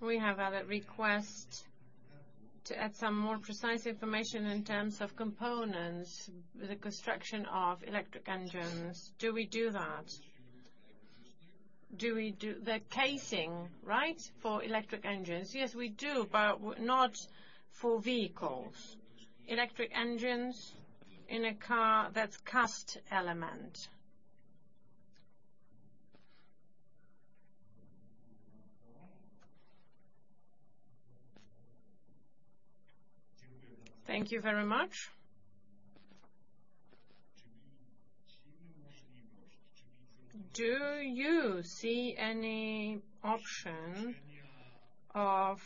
We have had a request to add some more precise information in terms of components, the construction of electric engines. Do we do that? Do we do the casing, right, for electric engines? Yes, we do, but not for vehicles. Electric engines in a car, that's cast element. Thank you very much. Do you see any option of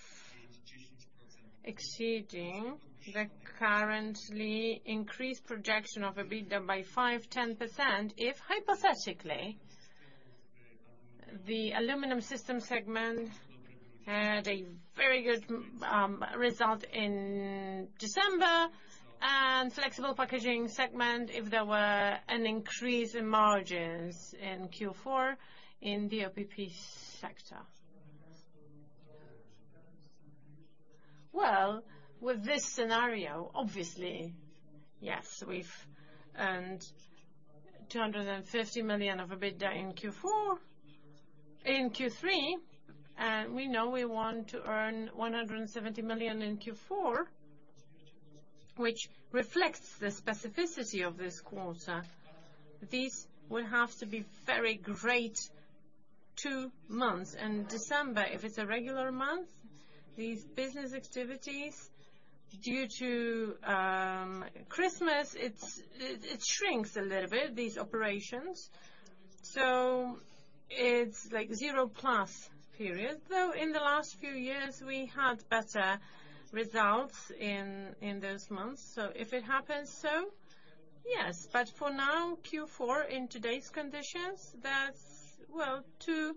exceeding the currently increased projection of EBITDA by 5%, 10%, if hypothetically, the aluminum systems segment had a very good result in December, and Flexible Packaging segment, if there were an increase in margins in Q4 in the OPP sector? Well, with this scenario, obviously, yes, we've earned PLN 250 million of EBITDA in Q3, and we know we want to earn 170 million in Q4, which reflects the specificity of this quarter. These will have to be very great two months, and December, if it's a regular month, these business activities, due to Christmas, it shrinks a little bit, these operations, so it's like 0+ period. Though, in the last few years, we had better results in those months. So if it happens, so, yes, but for now, Q4, in today's conditions, that's well, two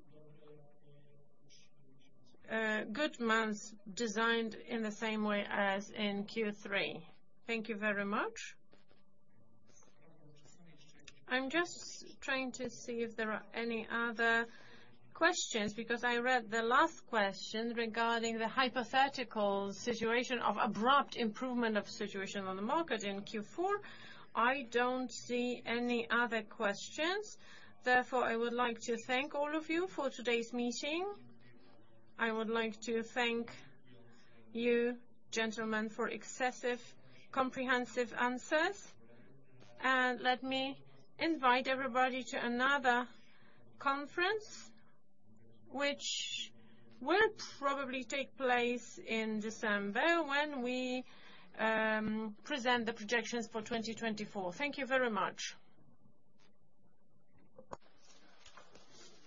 good months, designed in the same way as in Q3. Thank you very much. I'm just trying to see if there are any other questions, because I read the last question regarding the hypothetical situation of abrupt improvement of situation on the market in Q4. I don't see any other questions. Therefore, I would like to thank all of you for today's meeting. I would like to thank you, gentlemen, for excessive, comprehensive answers. And let me invite everybody to another conference, which will probably take place in December, when we present the projections for 2024. Thank you very much.